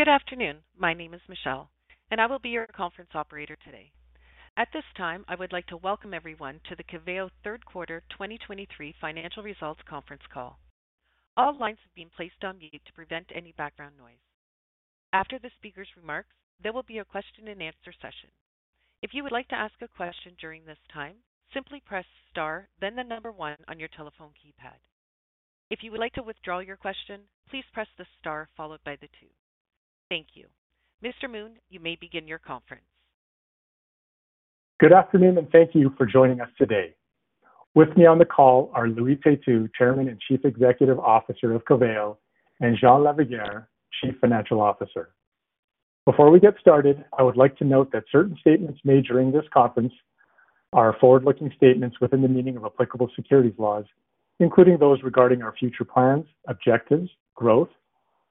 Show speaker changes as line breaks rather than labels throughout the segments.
Good afternoon. My name is Michelle, and I will be your conference operator today. At this time, I would like to welcome everyone to the Coveo third quarter 2023 financial results conference call. All lines have been placed on mute to prevent any background noise. After the speaker's remarks, there will be a question and answer session. If you would like to ask a question during this time, simply press star, then the number one on your telephone keypad. If you would like to withdraw your question, please press the star followed by the two. Thank you. Mr. Moon, you may begin your conference.
Good afternoon, and thank you for joining us today. With me on the call are Louis Têtu, Chairman and Chief Executive Officer of Coveo, and Jean Lavigueur, Chief Financial Officer. Before we get started, I would like to note that certain statements made during this conference are forward-looking statements within the meaning of applicable securities laws, including those regarding our future plans, objectives, growth,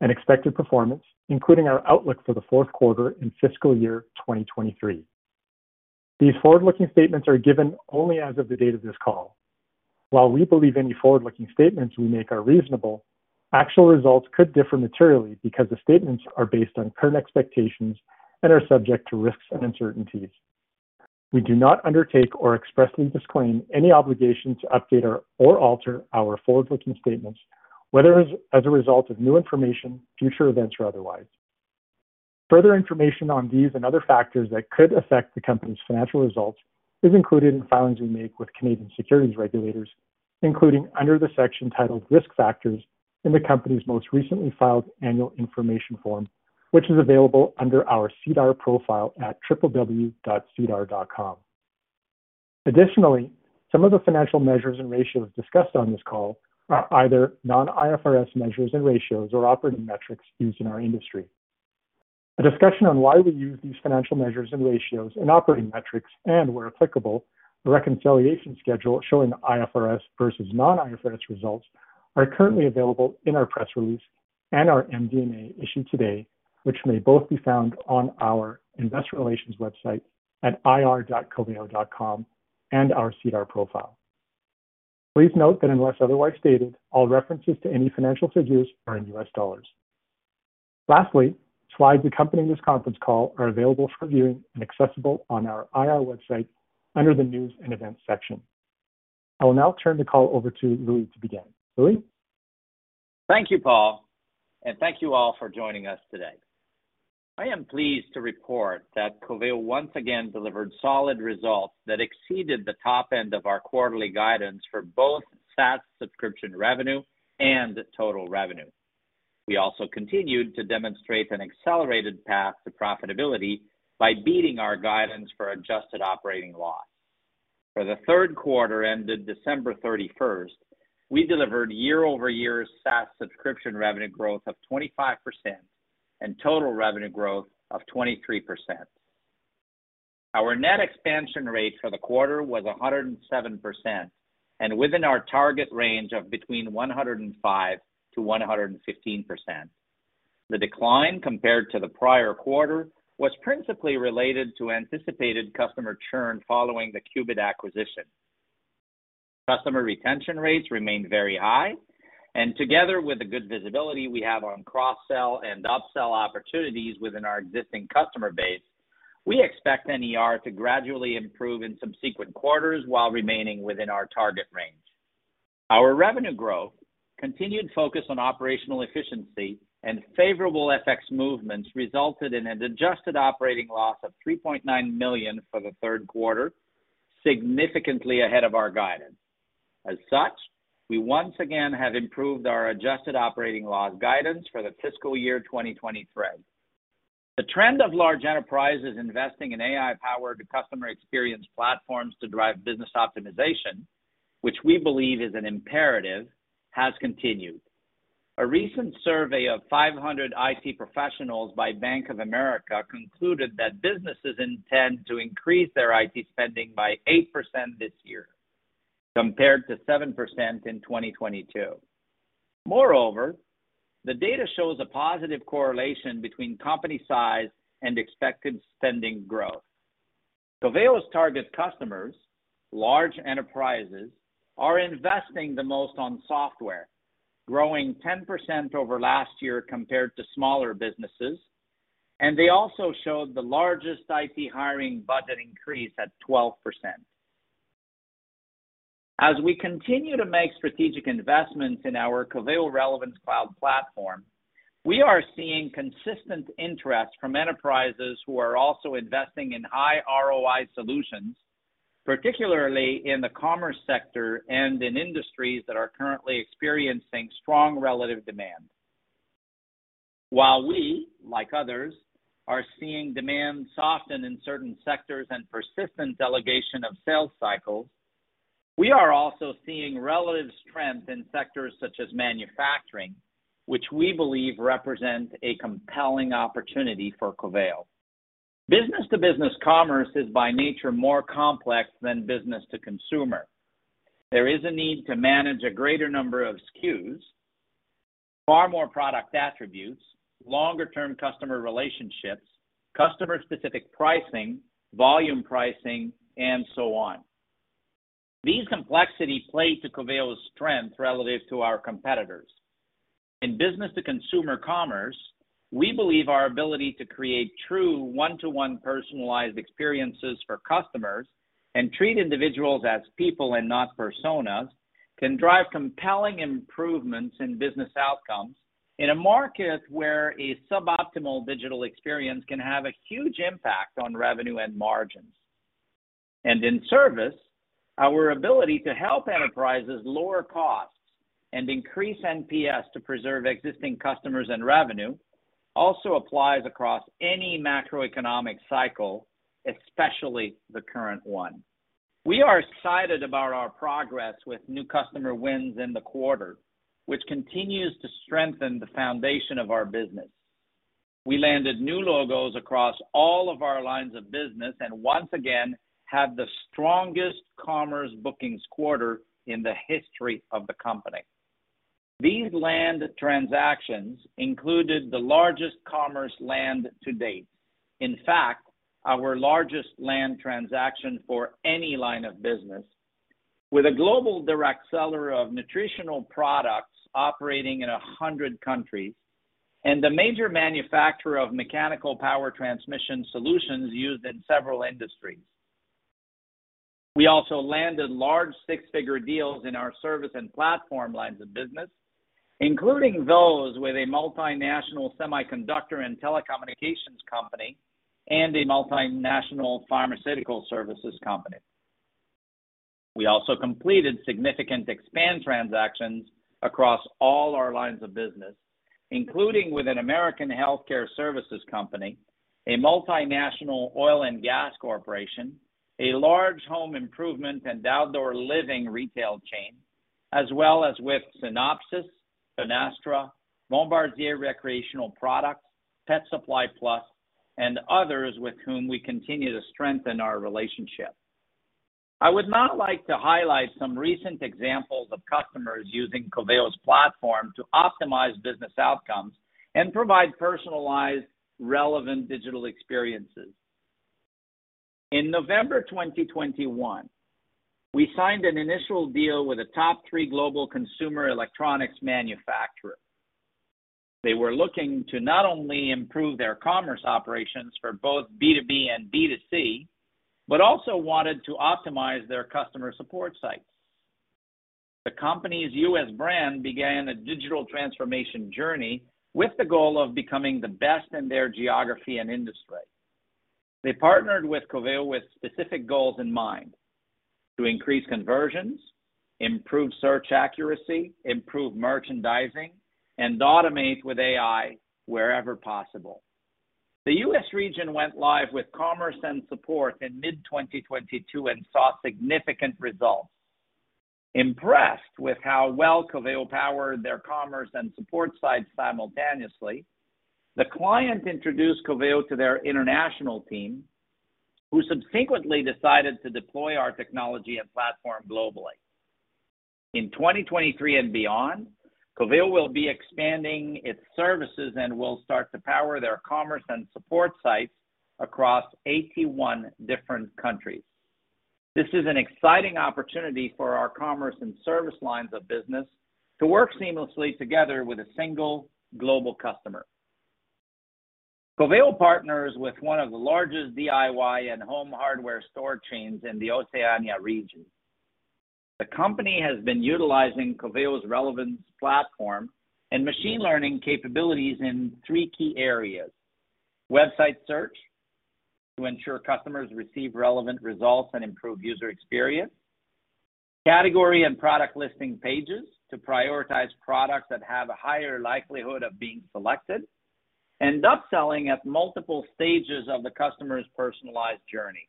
and expected performance, including our outlook for the fourth quarter in fiscal year 2023. These forward-looking statements are given only as of the date of this call. While we believe any forward-looking statements we make are reasonable, actual results could differ materially because the statements are based on current expectations and are subject to risks and uncertainties. We do not undertake or expressly disclaim any obligation to update or alter our forward-looking statements, whether as a result of new information, future events, or otherwise. Further information on these and other factors that could affect the company's financial results is included in filings we make with Canadian securities regulators, including under the section titled Risk Factors in the company's most recently filed annual information form, which is available under our SEDAR profile at www.sedar.com. Additionally, some of the financial measures and ratios discussed on this call are either non-IFRS measures and ratios or operating metrics used in our industry. A discussion on why we use these financial measures and ratios and operating metrics, and where applicable, the reconciliation schedule showing IFRS versus non-IFRS results are currently available in our press release and our MD&A issued today, which may both be found on our investor relations website at ir.coveo.com and our SEDAR profile. Please note that unless otherwise stated, all references to any financial figures are in U.S. dollars. Lastly, slides accompanying this conference call are available for viewing and accessible on our IR website under the News and Events section. I will now turn the call over to Louis to begin. Louis.
Thank you, Paul. Thank you all for joining us today. I am pleased to report that Coveo once again delivered solid results that exceeded the top end of our quarterly guidance for both SaaS subscription revenue and total revenue. We also continued to demonstrate an accelerated path to profitability by beating our guidance for adjusted operating loss. For the third quarter ended December 31st, we delivered year-over-year SaaS subscription revenue growth of 25% and total revenue growth of 23%. Our net expansion rate for the quarter was 107% and within our target range of between 105%-115%. The decline compared to the prior quarter was principally related to anticipated customer churn following the Qubit acquisition. Customer retention rates remained very high. Together with the good visibility we have on cross-sell and upsell opportunities within our existing customer base, we expect NER to gradually improve in subsequent quarters while remaining within our target range. Our revenue growth, continued focus on operational efficiency, and favorable FX movements resulted in an adjusted operating loss of $3.9 million for the third quarter, significantly ahead of our guidance. As such, we once again have improved our adjusted operating loss guidance for the fiscal year 2023. The trend of large enterprises investing in AI-powered customer experience platforms to drive business optimization, which we believe is an imperative, has continued. A recent survey of 500 IT professionals by Bank of America concluded that businesses intend to increase their IT spending by 8% this year, compared to 7% in 2022. Moreover, the data shows a positive correlation between company size and expected spending growth. Coveo's target customers, large enterprises, are investing the most on software, growing 10% over last year compared to smaller businesses. They also showed the largest IT hiring budget increase at 12%. As we continue to make strategic investments in our Coveo Relevance Cloud platform, we are seeing consistent interest from enterprises who are also investing in high ROI solutions, particularly in the commerce sector and in industries that are currently experiencing strong relative demand. While we, like others, are seeing demand soften in certain sectors and persistent delegation of sales cycles, we are also seeing relative strength in sectors such as manufacturing, which we believe represent a compelling opportunity for Coveo. Business-to-business commerce is by nature more complex than business-to-consumer. There is a need to manage a greater number of SKUs, far more product attributes, longer-term customer relationships, customer-specific pricing, volume pricing, and so on. These complexities play to Coveo's strength relative to our competitors. In business-to-consumer commerce, we believe our ability to create true one-to-one personalized experiences for customers and treat individuals as people and not personas, can drive compelling improvements in business outcomes in a market where a suboptimal digital experience can have a huge impact on revenue and margins. In service, our ability to help enterprises lower costs and increase NPS to preserve existing customers and revenue also applies across any macroeconomic cycle, especially the current one. We are excited about our progress with new customer wins in the quarter, which continues to strengthen the foundation of our business. We landed new logos across all of our lines of business, and once again, have the strongest commerce bookings quarter in the history of the company. These land transactions included the largest commerce land to date. In fact, our largest land transaction for any line of business with a global direct seller of nutritional products operating in 100 countries and a major manufacturer of mechanical power transmission solutions used in several industries. We also landed large six-figure deals in our service and platform lines of business, including those with a multinational semiconductor and telecommunications company and a multinational pharmaceutical services company. We also completed significant expand transactions across all our lines of business, including with an American healthcare services company, a multinational oil and gas corporation, a large home improvement and outdoor living retail chain, as well as with Synopsys, Sonesta, Bombardier Recreational Products, Pet Supplies Plus, and others with whom we continue to strengthen our relationship. I would now like to highlight some recent examples of customers using Coveo's platform to optimize business outcomes and provide personalized, relevant digital experiences. In November 2021, we signed an initial deal with a top three global consumer electronics manufacturer. They were looking to not only improve their commerce operations for both B2B and B2C, but also wanted to optimize their customer support sites. The company's U.S. brand began a digital transformation journey with the goal of becoming the best in their geography and industry. They partnered with Coveo with specific goals in mind, to increase conversions, improve search accuracy, improve merchandising, and automate with AI wherever possible. The U.S. region went live with commerce and support in mid-2022 and saw significant results. Impressed with how well Coveo powered their commerce and support sites simultaneously, the client introduced Coveo to their international team, who subsequently decided to deploy our technology and platform globally. In 2023 and beyond, Coveo will be expanding its services and will start to power their commerce and support sites across 81 different countries. This is an exciting opportunity for our commerce and service lines of business to work seamlessly together with a single global customer. Coveo partners with one of the largest DIY and home hardware store chains in the Oceania region. The company has been utilizing Coveo's Relevance Platform and machine learning capabilities in three key areas: website search, to ensure customers receive relevant results and improve user experience; category and product listing pages, to prioritize products that have a higher likelihood of being selected; and upselling at multiple stages of the customer's personalized journey.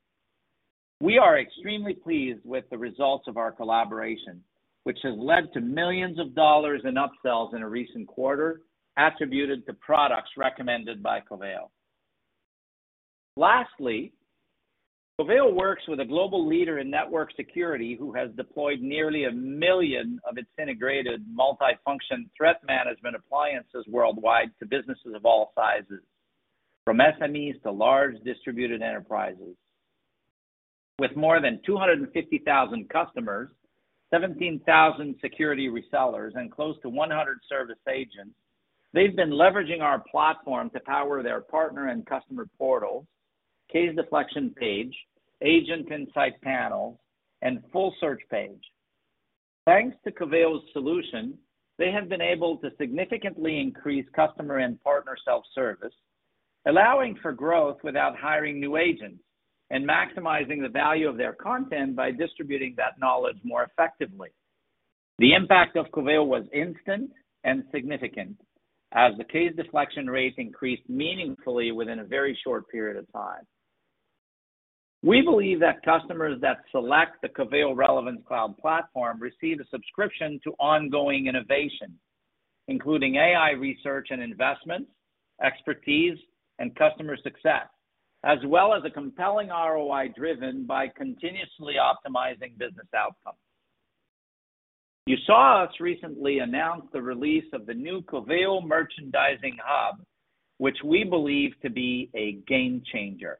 We are extremely pleased with the results of our collaboration, which has led to millions of dollars in upsells in a recent quarter attributed to products recommended by Coveo. Lastly, Coveo works with a global leader in network security who has deployed nearly 1 million of its integrated multifunction threat management appliances worldwide to businesses of all sizes, from SMEs to large distributed enterprises. With more than 250,000 customers, 17,000 security resellers, and close to 100 service agents, they've been leveraging our platform to power their partner and customer portals, case deflection page, agent insight panels, and full search page. Thanks to Coveo's solution, they have been able to significantly increase customer and partner self-service, allowing for growth without hiring new agents and maximizing the value of their content by distributing that knowledge more effectively. The impact of Coveo was instant and significant as the case deflection rate increased meaningfully within a very short period of time. We believe that customers that select the Coveo Relevance Cloud platform receive a subscription to ongoing innovation, including AI research and investments, expertise, and customer success, as well as a compelling ROI driven by continuously optimizing business outcomes. You saw us recently announce the release of the new Coveo Merchandising Hub, which we believe to be a game changer.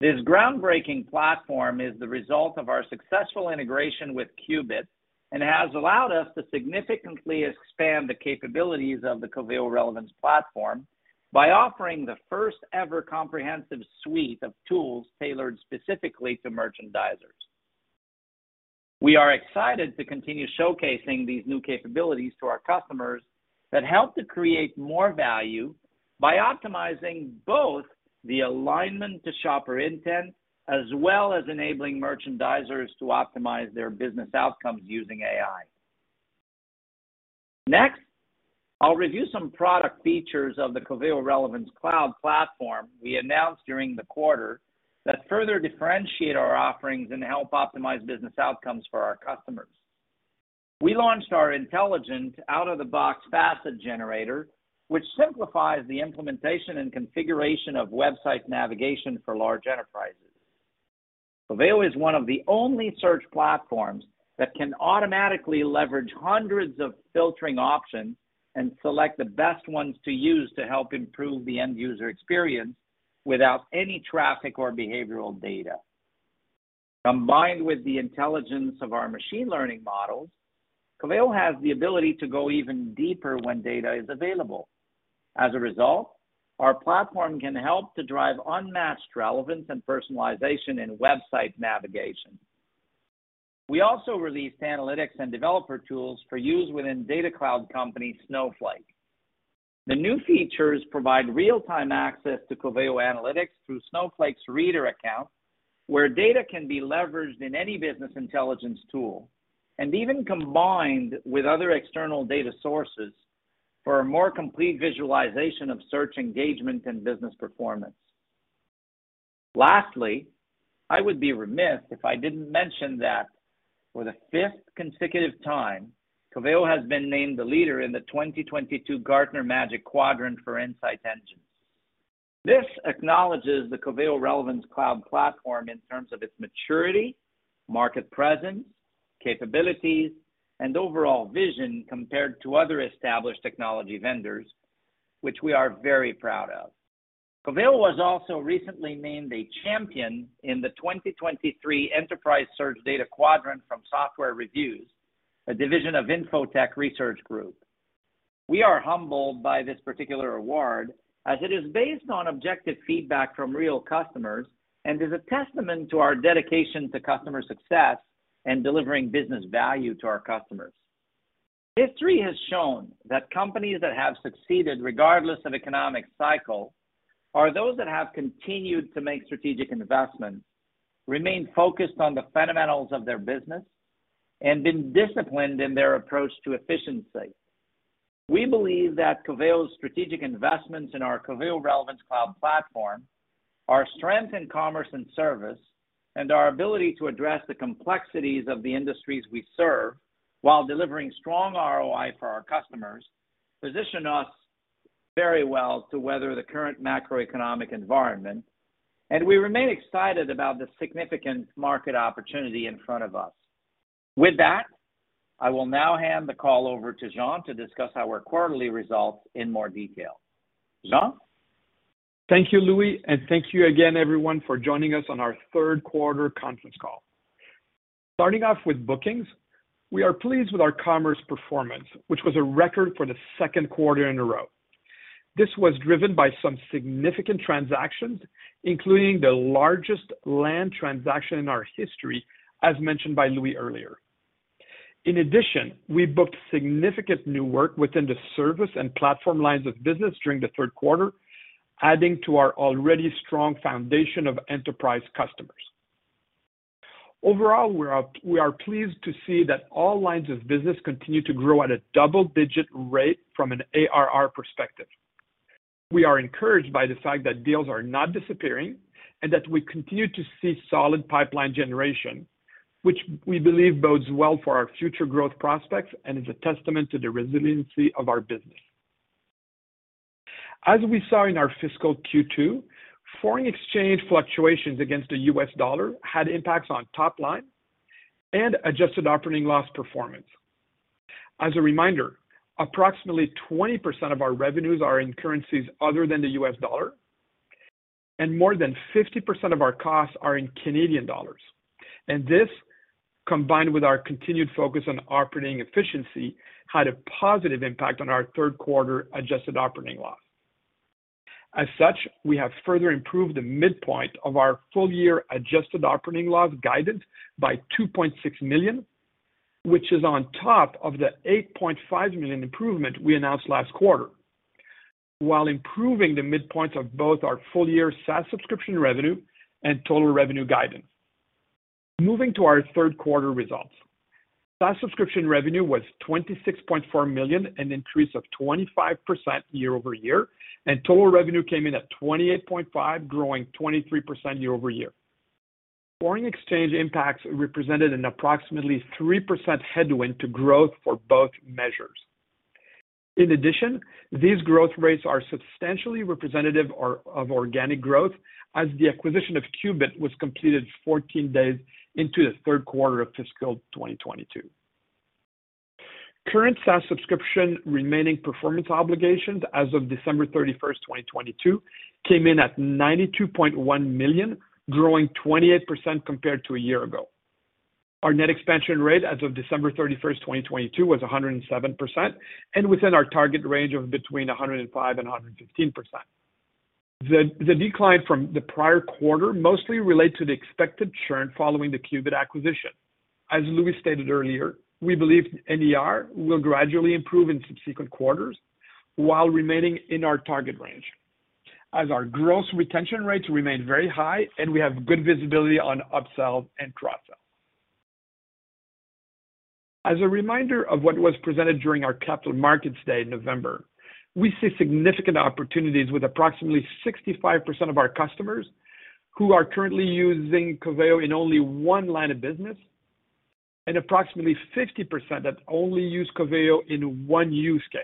This groundbreaking platform is the result of our successful integration with Qubit and has allowed us to significantly expand the capabilities of the Coveo Relevance Platform by offering the first-ever comprehensive suite of tools tailored specifically to merchandisers. We are excited to continue showcasing these new capabilities to our customers that help to create more value by optimizing both the alignment to shopper intent, as well as enabling merchandisers to optimize their business outcomes using AI. Next, I'll review some product features of the Coveo Relevance Cloud platform we announced during the quarter that further differentiate our offerings and help optimize business outcomes for our customers. We launched our intelligent out-of-the-box facet generator, which simplifies the implementation and configuration of website navigation for large enterprises. Coveo is one of the only search platforms that can automatically leverage hundreds of filtering options and select the best ones to use to help improve the end user experience without any traffic or behavioral data. Combined with the intelligence of our machine learning models, Coveo has the ability to go even deeper when data is available. As a result, our platform can help to drive unmatched relevance and personalization in website navigation. We also released analytics and developer tools for use within data cloud company Snowflake. The new features provide real-time access to Coveo analytics through Snowflake's reader account, where data can be leveraged in any business intelligence tool and even combined with other external data sources for a more complete visualization of search engagement and business performance. Lastly, I would be remiss if I didn't mention that for the fifth consecutive time, Coveo has been named the leader in the 2022 Gartner Magic Quadrant for Insight Engines. This acknowledges the Coveo Relevance Cloud platform in terms of its maturity, market presence, capabilities, and overall vision compared to other established technology vendors, which we are very proud of. Coveo was also recently named a champion in the 2023 Enterprise Search Data Quadrant from SoftwareReviews, a division of Info-Tech Research Group. We are humbled by this particular award as it is based on objective feedback from real customers and is a testament to our dedication to customer success and delivering business value to our customers. History has shown that companies that have succeeded regardless of economic cycle are those that have continued to make strategic investments, remain focused on the fundamentals of their business, and been disciplined in their approach to efficiency. We believe that Coveo's strategic investments in our Coveo Relevance Cloud platform, our strength in commerce and service, and our ability to address the complexities of the industries we serve while delivering strong ROI for our customers, position us very well to weather the current macroeconomic environment, and we remain excited about the significant market opportunity in front of us. With that, I will now hand the call over to Jean to discuss our quarterly results in more detail. Jean?
Thank you, Louis, and thank you again everyone for joining us on our 3rd quarter conference call. Starting off with bookings, we are pleased with our commerce performance, which was a record for the 2nd quarter in a row. This was driven by some significant transactions, including the largest land transaction in our history, as mentioned by Louis earlier. In addition, we booked significant new work within the service and platform lines of business during the 3rd quarter, adding to our already strong foundation of enterprise customers. Overall, we are pleased to see that all lines of business continue to grow at a double-digit rate from an ARR perspective. We are encouraged by the fact that deals are not disappearing and that we continue to see solid pipeline generation, which we believe bodes well for our future growth prospects and is a testament to the resiliency of our business. As we saw in our fiscal Q2, foreign exchange fluctuations against the U.S. dollar had impacts on top line and adjusted operating loss performance. As a reminder, approximately 20% of our revenues are in currencies other than the U.S. dollar, and more than 50% of our costs are in Canadian dollars. This, combined with our continued focus on operating efficiency, had a positive impact on our third quarter adjusted operating loss. As such, we have further improved the midpoint of our full-year adjusted operating loss guidance by $2.6 million, which is on top of the $8.5 million improvement we announced last quarter, while improving the midpoints of both our full-year SaaS subscription revenue and total revenue guidance. Moving to our third quarter results. SaaS subscription revenue was $26.4 million, an increase of 25% year-over-year, and total revenue came in at $28.5 million, growing 23% year-over-year. Foreign exchange impacts represented an approximately 3% headwind to growth for both measures. These growth rates are substantially representative or, of organic growth as the acquisition of Qubit was completed 14 days into the third quarter of fiscal 2022. Current SaaS subscription remaining performance obligations as of December 31st, 2022 came in at $92.1 million, growing 28% compared to a year ago. Our net expansion rate as of December 31st, 2022 was 107% and within our target range of between 105% and 115%. The decline from the prior quarter mostly relate to the expected churn following the Qubit acquisition. As Louis stated earlier, we believe NER will gradually improve in subsequent quarters while remaining in our target range as our gross retention rates remain very high and we have good visibility on upsell and cross-sell. As a reminder of what was presented during our Capital Markets Day in November, we see significant opportunities with approximately 65% of our customers who are currently using Coveo in only one line of business, and approximately 50% that only use Coveo in one use case.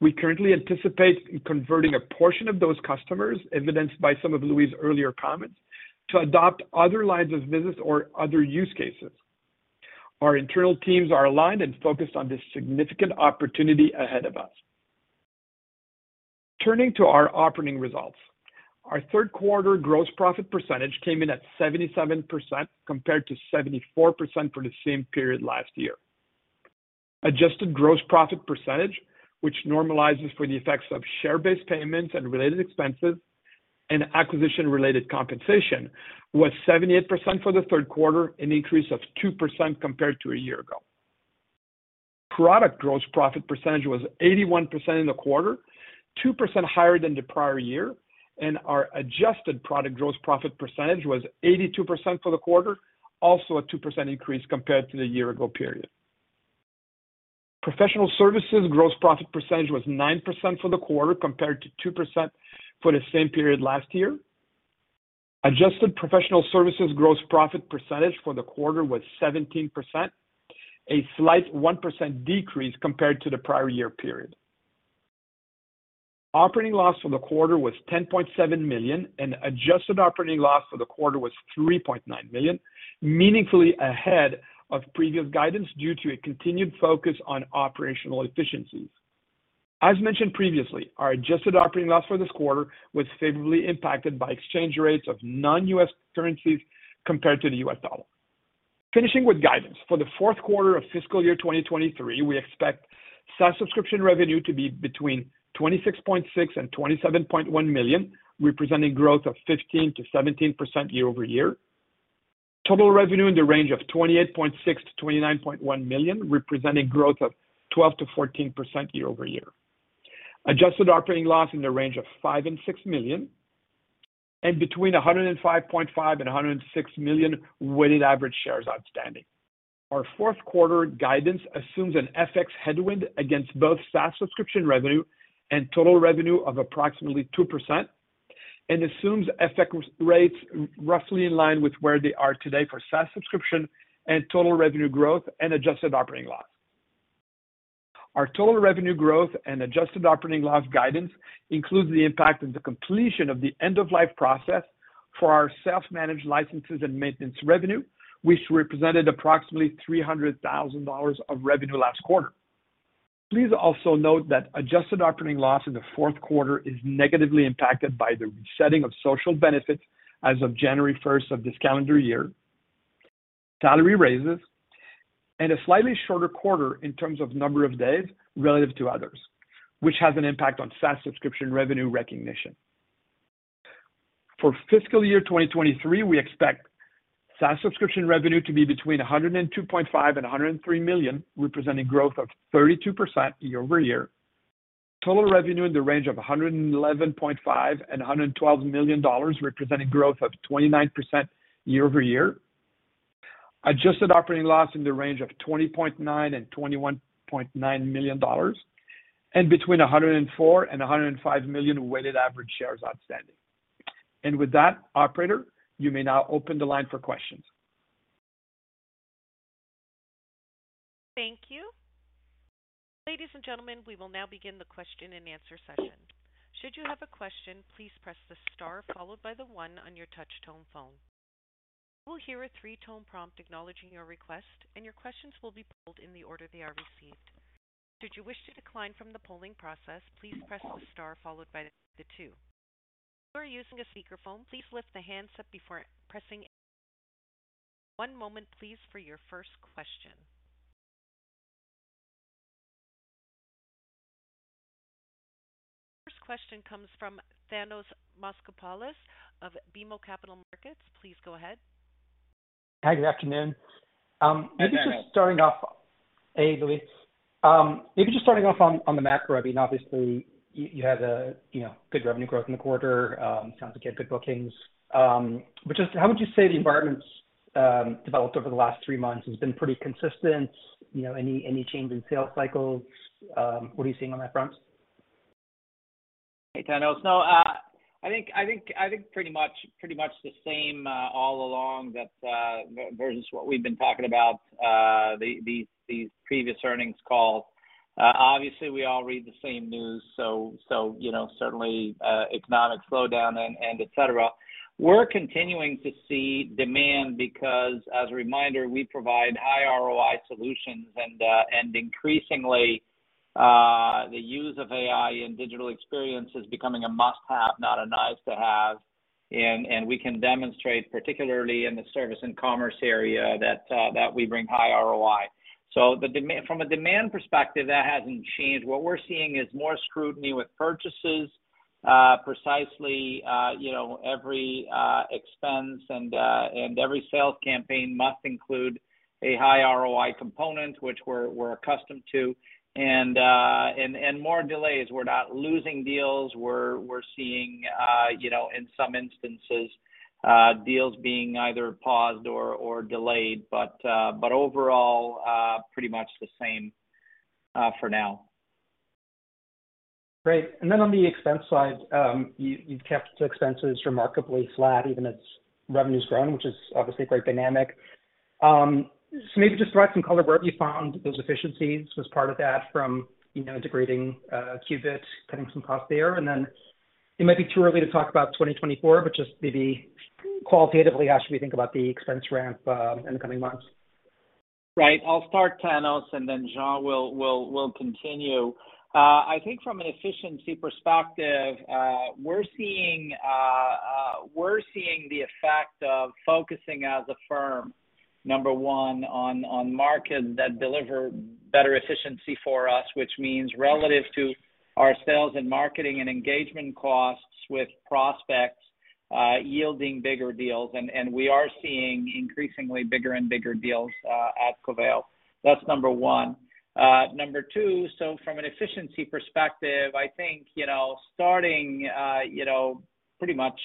We currently anticipate converting a portion of those customers, evidenced by some of Louis' earlier comments, to adopt other lines of business or other use cases. Our internal teams are aligned and focused on this significant opportunity ahead of us. Turning to our operating results. Our third quarter gross profit percentage came in at 77%, compared to 74% for the same period last year. Adjusted gross profit percentage, which normalizes for the effects of share-based payments and related expenses and acquisition-related compensation, was 78% for the third quarter, an increase of 2% compared to a year ago. Product gross profit percentage was 81% in the quarter, 2% higher than the prior year, and our adjusted product gross profit percentage was 82% for the quarter, also a 2% increase compared to the year ago period. Professional services gross profit percentage was 9% for the quarter, compared to 2% for the same period last year. Adjusted professional services gross profit percentage for the quarter was 17%, a slight 1% decrease compared to the prior year period. Operating loss for the quarter was $10.7 million, and adjusted operating loss for the quarter was $3.9 million, meaningfully ahead of previous guidance due to a continued focus on operational efficiencies. As mentioned previously, our adjusted operating loss for this quarter was favorably impacted by exchange rates of non-U.S. currencies compared to the U.S. dollar. Finishing with guidance. For the fourth quarter of fiscal year 2023, we expect SaaS subscription revenue to be between $26.6 million and $27.1 million, representing growth of 15%-17% year-over-year. Total revenue in the range of $28.6 million-$29.1 million, representing growth of 12%-14% year-over-year. Adjusted operating loss in the range of $5 million and $6 million, and between 105.5 million and 106 million weighted average shares outstanding. Our fourth quarter guidance assumes an FX headwind against both SaaS subscription revenue and total revenue of approximately 2% and assumes FX rates roughly in line with where they are today for SaaS subscription and total revenue growth and adjusted operating loss. Our total revenue growth and adjusted operating loss guidance includes the impact of the completion of the end of life process for our self-managed licenses and maintenance revenue, which represented approximately $300,000 of revenue last quarter. Please also note that adjusted operating loss in the fourth quarter is negatively impacted by the resetting of social benefits as of January 1st of this calendar year, salary raises, and a slightly shorter quarter in terms of number of days relative to others, which has an impact on SaaS subscription revenue recognition. For fiscal year 2023, we expect SaaS subscription revenue to be between $102.5 million and $103 million, representing growth of 32% year-over-year. Total revenue in the range of $111.5 million and $112 million, representing growth of 29% year-over-year. Adjusted operating loss in the range of $20.9 million and $21.9 million, between 104 million and 105 million weighted average shares outstanding. With that, operator, you may now open the line for questions.
Thank you. Ladies and gentlemen, we will now begin the question and answer session. Should you have a question, please press the star followed by the one on your touch tone phone. You will hear a three-tone prompt acknowledging your request, and your questions will be pooled in the order they are received. Should you wish to decline from the polling process, please press the star followed by the two. If you are using a speakerphone, please lift the handset before pressing. One moment please for your first question. First question comes from Thanos Moschopoulos of BMO Capital Markets. Please go ahead.
Hi, good afternoon. Hey, Louis. Maybe just starting off on the macro, I mean, obviously you had a, you know, good revenue growth in the quarter. Sounds like you had good bookings. Just how would you say the environment's developed over the last three months? Has it been pretty consistent? You know, any change in sales cycles? What are you seeing on that front?
Hey, Thanos. No, I think pretty much the same all along that, versus what we've been talking about, the previous earnings calls. Obviously we all read the same news, so, you know, certainly, economic slowdown and etcetera. We're continuing to see demand because, as a reminder, we provide high ROI solutions and increasingly, the use of AI and digital experience is becoming a must-have, not a nice-to-have. We can demonstrate, particularly in the service and commerce area that we bring high ROI. The demand from a demand perspective, that hasn't changed. What we're seeing is more scrutiny with purchases. Precisely, you know, every expense and every sales campaign must include a high ROI component, which we're accustomed to, and more delays. We're not losing deals. We're seeing, you know, in some instances, deals being either paused or delayed. Overall, pretty much the same for now.
Great. You've kept expenses remarkably flat even as revenue's grown, which is obviously quite dynamic. Maybe just throw out some color where you found those efficiencies. Was part of that from, you know, integrating, Qubit, cutting some costs there? It might be too early to talk about 2024, but just maybe qualitatively, how should we think about the expense ramp, in the coming months?
Right. I'll start, Thanos, and then Jean will continue. I think from an efficiency perspective, we're seeing the effect of focusing as a firm, number one, on markets that deliver better efficiency for us, which means relative to our sales and marketing and engagement costs with prospects, yielding bigger deals. We are seeing increasingly bigger and bigger deals at Coveo. That's number one. Number two, so from an efficiency perspective, I think, you know, starting, you know, pretty much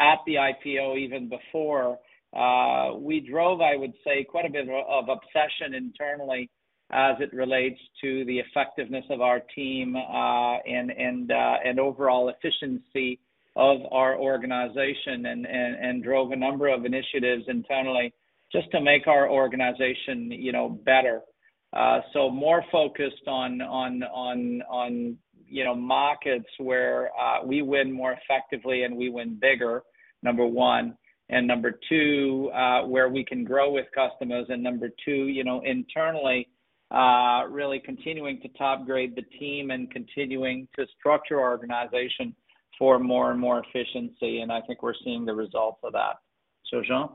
at the IPO, even before, we drove, I would say, quite a bit of obsession internally as it relates to the effectiveness of our team, and overall efficiency of our organization and drove a number of initiatives internally just to make our organization, you know, better. more focused on, you know, markets where we win more effectively and we win bigger, number one. Number two, where we can grow with customers and number two, you know, internally, really continuing to top grade the team and continuing to structure our organization for more and more efficiency, and I think we're seeing the results of that. Jean?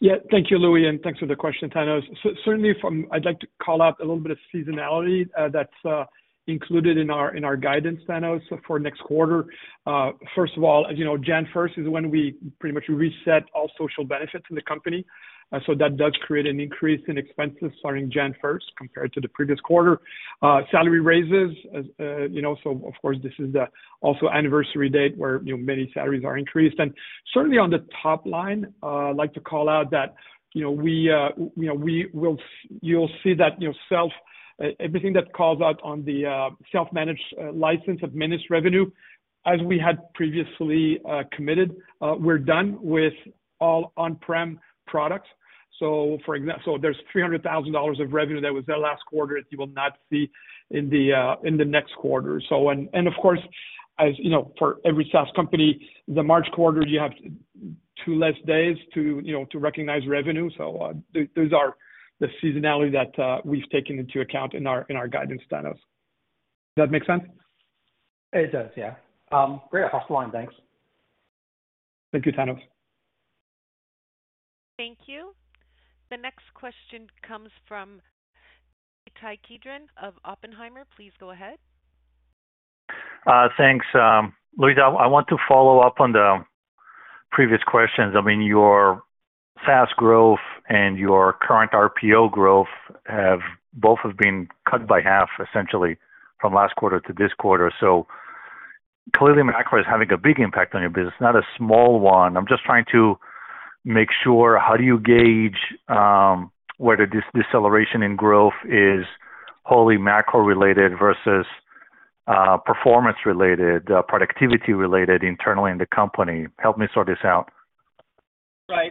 Yeah. Thank you, Louis, and thanks for the question, Thanos. Certainly I'd like to call out a little bit of seasonality that's included in our guidance, Thanos, for next quarter. First of all, as you know, January 1st is when we pretty much reset all social benefits in the company. That does create an increase in expenses starting January 1st compared to the previous quarter. Salary raises, you know, of course, this is the also anniversary date where, you know, many salaries are increased. Certainly on the top line, I'd like to call out that, you know, we, you know, You'll see that, you know, everything that calls out on the self-managed, license administered revenue, as we had previously committed, we're done with all on-prem products. There's $300,000 of revenue that was there last quarter that you will not see in the next quarter. Of course, as you know, for every SaaS company, the March quarter, you have two less days to, you know, to recognize revenue. Those are the seasonality that we've taken into account in our guidance, Thanos. Does that make sense?
It does, yeah. Great outline. Thanks.
Thank you, Thanos.
Thank you. The next question comes from Ittai Kidron of Oppenheimer. Please go ahead.
Thanks. Louis, I want to follow up on the previous questions. I mean, your SaaS growth and your current RPO growth have both have been cut by half, essentially, from last quarter to this quarter. Clearly, macro is having a big impact on your business, not a small one. I'm just trying to make sure, how do you gauge whether this deceleration in growth is wholly macro related versus performance related, productivity related internally in the company? Help me sort this out.
Right.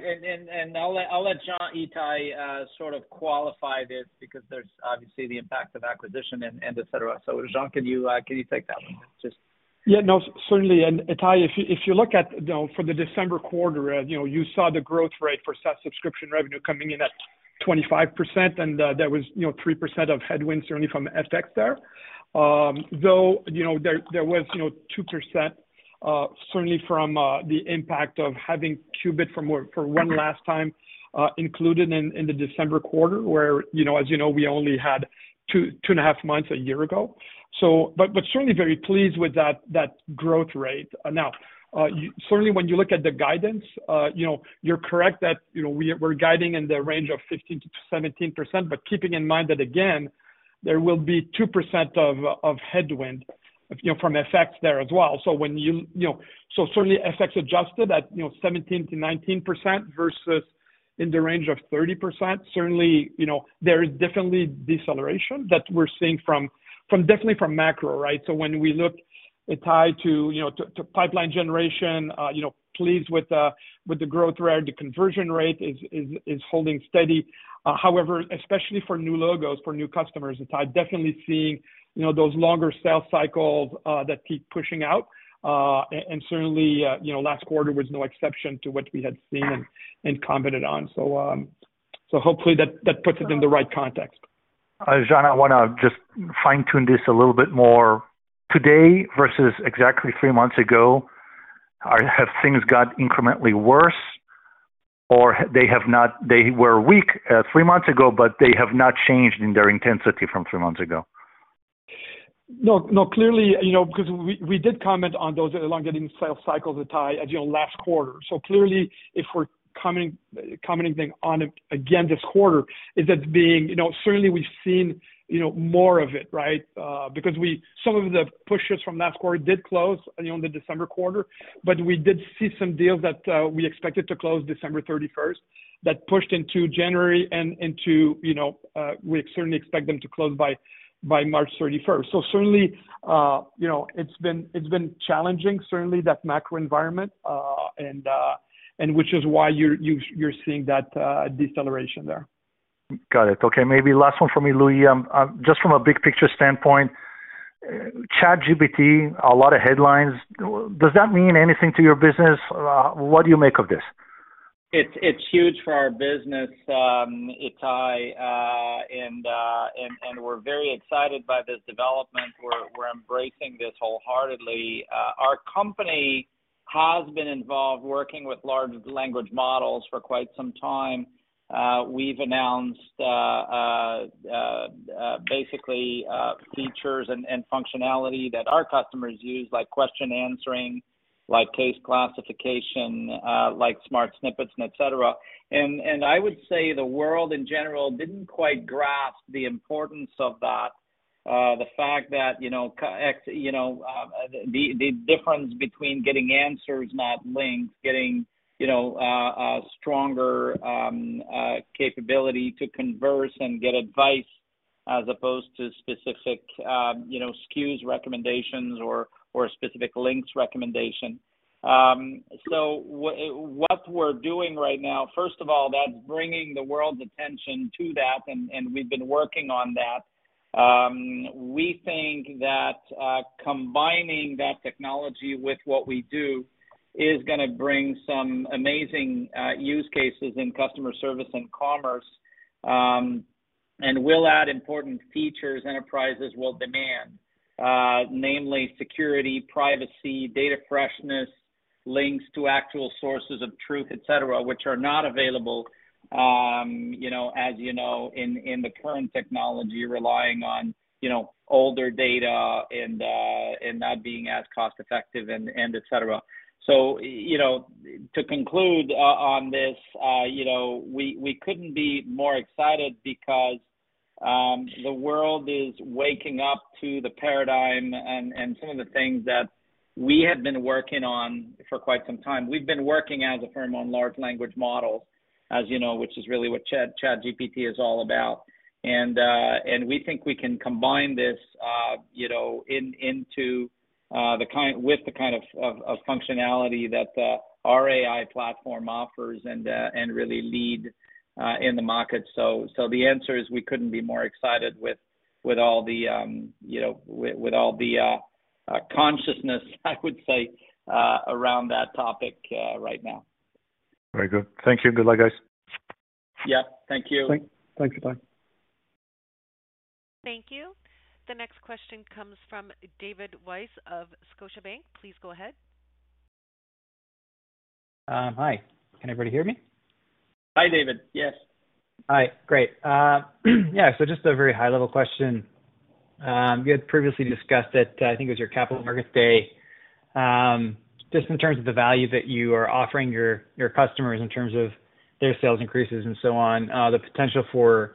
I'll let Jean, Ittai, sort of qualify this because there's obviously the impact of acquisition and etcetera. Jean, can you take that one just?
Yeah, no, certainly. Ittai, if you look at, for the December quarter, you saw the growth rate for subscription revenue coming in at 25%, and there was 3% of headwinds certainly from FX there. Though, there was 2% certainly from the impact of having Qubit for one last time included in the December quarter, where we only had two and a half months a year ago. Certainly very pleased with that growth rate. Certainly when you look at the guidance, you know, you're correct that, you know, we're guiding in the range of 15%-17%, but keeping in mind that again, there will be 2% of headwind, you know, from FX there as well. You know, certainly FX adjusted at, you know, 17%-19% versus in the range of 30%. Certainly, you know, there is definitely deceleration that we're seeing from definitely from macro, right? When we look, Ittai, to, you know, to pipeline generation, you know, pleased with the growth rate. The conversion rate is holding steady. However, especially for new logos, for new customers, Ittai, definitely seeing, you know, those longer sales cycles that keep pushing out. Certainly, you know, last quarter was no exception to what we had seen and commented on. Hopefully that puts it in the right context.
Jean, I wanna just fine-tune this a little bit more. Today versus exactly three months ago, have things got incrementally worse, or they were weak, three months ago, but they have not changed in their intensity from three months ago?
No, clearly, you know, because we did comment on those elongating sales cycles, Ittai, as you know, last quarter. Clearly, if we're commenting on it again this quarter, is that being. You know, certainly we've seen, you know, more of it, right? Because some of the pushes from last quarter did close on the December quarter. We did see some deals that we expected to close December 31st that pushed into January and into, you know. We certainly expect them to close by March 31st. Certainly, you know, it's been challenging, certainly that macro environment, and which is why you're seeing that deceleration there.
Got it. Okay, maybe last one for me, Louis. Just from a big picture standpoint, ChatGPT, a lot of headlines. Does that mean anything to your business? What do you make of this?
It's huge for our business. Ittai, and we're very excited by this development. We're embracing this wholeheartedly. Our company has been involved working with large language models for quite some time. We've announced basically features and functionality that our customers use, like question answering, like case classification, like smart snippets and et cetera. I would say the world in general didn't quite grasp the importance of that. The fact that, you know, the difference between getting answers, not links, getting, you know, stronger capability to converse and get advice as opposed to specific, you know, SKUs recommendations or specific links recommendation. What we're doing right now, first of all, that's bringing the world's attention to that, and we've been working on that. We think that, combining that technology with what we do is gonna bring some amazing use cases in customer service and commerce, and will add important features enterprises will demand. Namely security, privacy, data freshness, links to actual sources of truth, et cetera, which are not available, you know, as you know, in the current technology, relying on, you know, older data and not being as cost-effective and et cetera. You know, to conclude on this, you know, we couldn't be more excited because the world is waking up to the paradigm and some of the things that we had been working on for quite some time. We've been working as a firm on large language models, as you know, which is really what Chat, ChatGPT is all about. We think we can combine this, you know, with the kind of functionality that our AI platform offers and really lead in the market. The answer is we couldn't be more excited with all the, you know, with all the consciousness, I would say, around that topic right now.
Very good. Thank you. Good luck, guys.
Yeah, thank you.
Thanks, Ittai.
Thank you. The next question comes from David Weiss of Scotiabank. Please go ahead.
Hi. Can everybody hear me?
Hi, David. Yes.
Hi, great. yeah, just a very high-level question. You had previously discussed at, I think it was your Capital Markets Day, just in terms of the value that you are offering your customers in terms of their sales increases and so on, the potential for,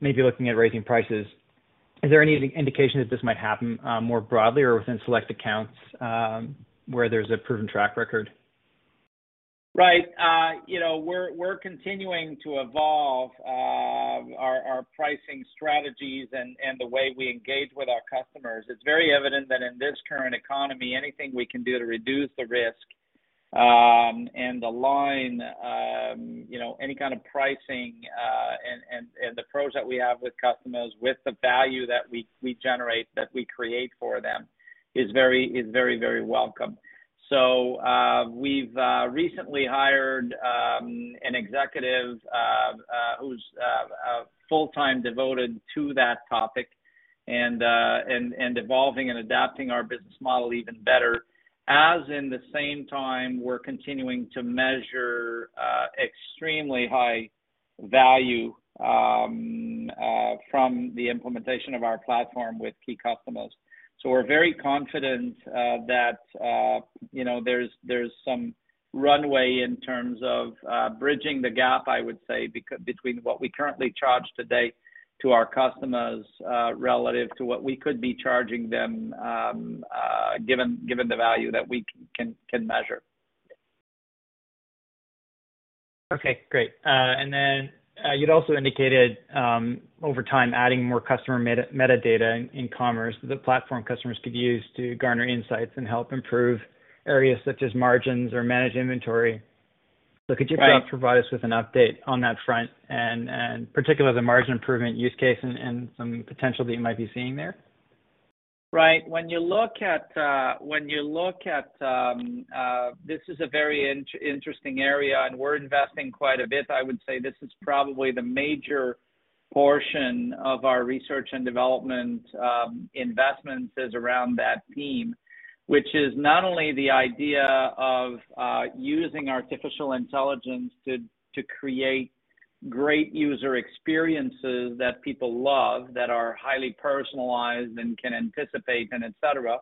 maybe looking at raising prices. Is there any indication that this might happen, more broadly or within select accounts, where there's a proven track record?
Right. you know, we're continuing to evolve, our pricing strategies and the way we engage with our customers. It's very evident that in this current economy, anything we can do to reduce the risk, and align, you know, any kind of pricing, and the approach that we have with customers, with the value that we generate, that we create for them is very, very welcome. we've, recently hired, an executive, who's, full-time devoted to that topic and evolving and adapting our business model even better. As in the same time, we're continuing to measure, extremely high value, from the implementation of our platform with key customers. We're very confident, that, you know, there's some runway in terms of, bridging the gap, I would say, between what we currently charge today to our customers, relative to what we could be charging them, given the value that we can measure.
Okay, great. You'd also indicated over time, adding more customer meta-metadata in commerce the platform customers could use to garner insights and help improve areas such as margins or manage inventory.
Right.
Could you just provide us with an update on that front and particularly the margin improvement use case and some potential that you might be seeing there?
Right. When you look at, when you look at, this is a very interesting area, and we're investing quite a bit. I would say this is probably the major portion of our research and development, investments is around that theme. Which is not only the idea of using artificial intelligence to create great user experiences that people love, that are highly personalized and can anticipate and et cetera,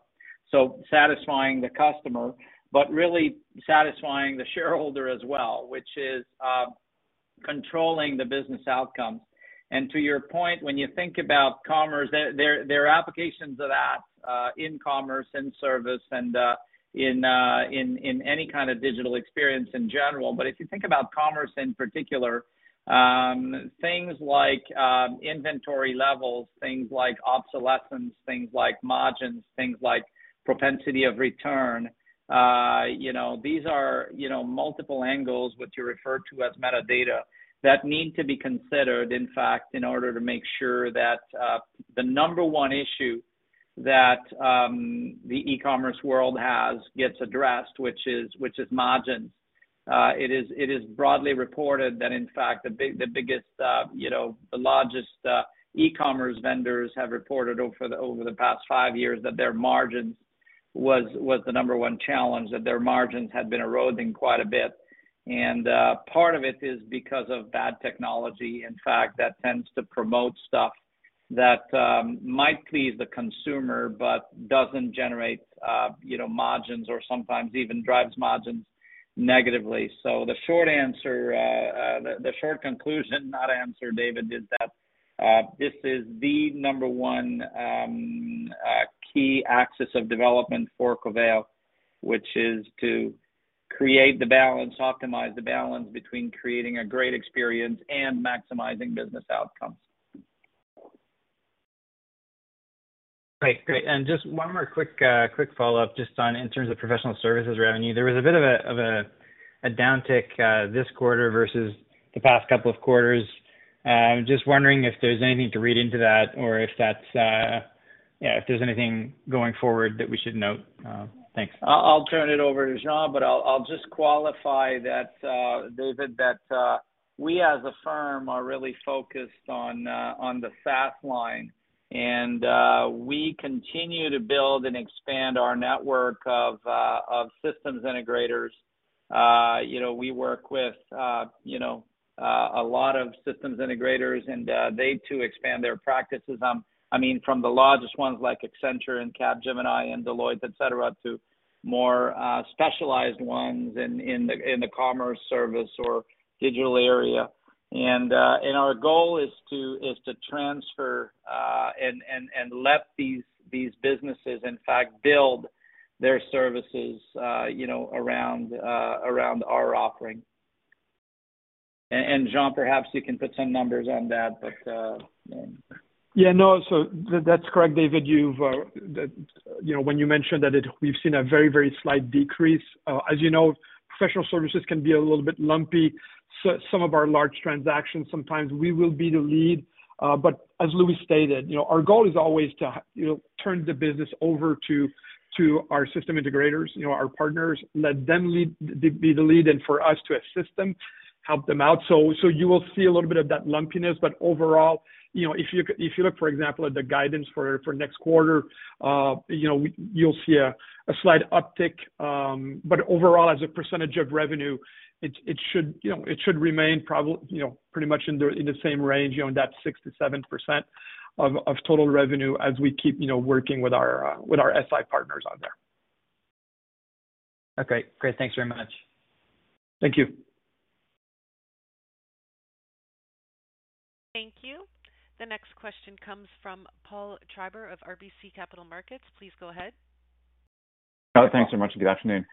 so satisfying the customer, but really satisfying the shareholder as well, which is controlling the business outcomes. To your point, when you think about commerce, there are applications of that in commerce and service and in any kind of digital experience in general. If you think about commerce in particular, things like inventory levels, things like obsolescence, things like margins, things like propensity of return, you know, these are, you know, multiple angles, which you refer to as metadata, that need to be considered, in fact, in order to make sure that the number one issue that the e-commerce world has gets addressed, which is margins. It is broadly reported that, in fact, the biggest, you know, the largest e-commerce vendors have reported over the past five years that their margins was the number one challenge, that their margins had been eroding quite a bit. Part of it is because of bad technology, in fact, that tends to promote stuff that might please the consumer but doesn't generate, you know, margins or sometimes even drives margins negatively. The short answer, the short conclusion, not answer, David, is that this is the number one key axis of development for Coveo, which is to create the balance, optimize the balance between creating a great experience and maximizing business outcomes.
Right. Great. Just one more quick follow-up just on in terms of professional services revenue. There was a bit of a downtick, this quarter versus the past couple of quarters. Just wondering if there's anything to read into that or if that's, yeah, if there's anything going forward that we should note. Thanks.
I'll turn it over to Jean, but I'll just qualify that, David, that we as a firm are really focused on the SaaS line, and we continue to build and expand our network of systems integrators. You know, we work with, you know, a lot of systems integrators and they too expand their practices on, I mean, from the largest ones like Accenture and Capgemini and Deloitte, et cetera, to more specialized ones in the commerce service or digital area. Our goal is to, is to transfer, and let these businesses in fact build their services, you know, around our offering. Jean, perhaps you can put some numbers on that, but.
Yeah, no. That's correct, David. You've, you know, when you mentioned that we've seen a very, very slight decrease. As you know, professional services can be a little bit lumpy. Some of our large transactions, sometimes we will be the lead. As Louis stated, you know, our goal is always to, you know, turn the business over to our system integrators, you know, our partners, let them be the lead and for us to assist them, help them out. You will see a little bit of that lumpiness. Overall, you know, if you, if you look, for example, at the guidance for next quarter, you know, you'll see a slight uptick. Overall, as a percentage of revenue, it should, you know, it should remain probably, you know, pretty much in the, in the same range, you know, in that 6%-7% of total revenue as we keep, you know, working with our SI partners on there.
Okay. Great. Thanks very much.
Thank you.
Thank you. The next question comes from Paul Treiber of RBC Capital Markets. Please go ahead.
Thanks so much. Good afternoon.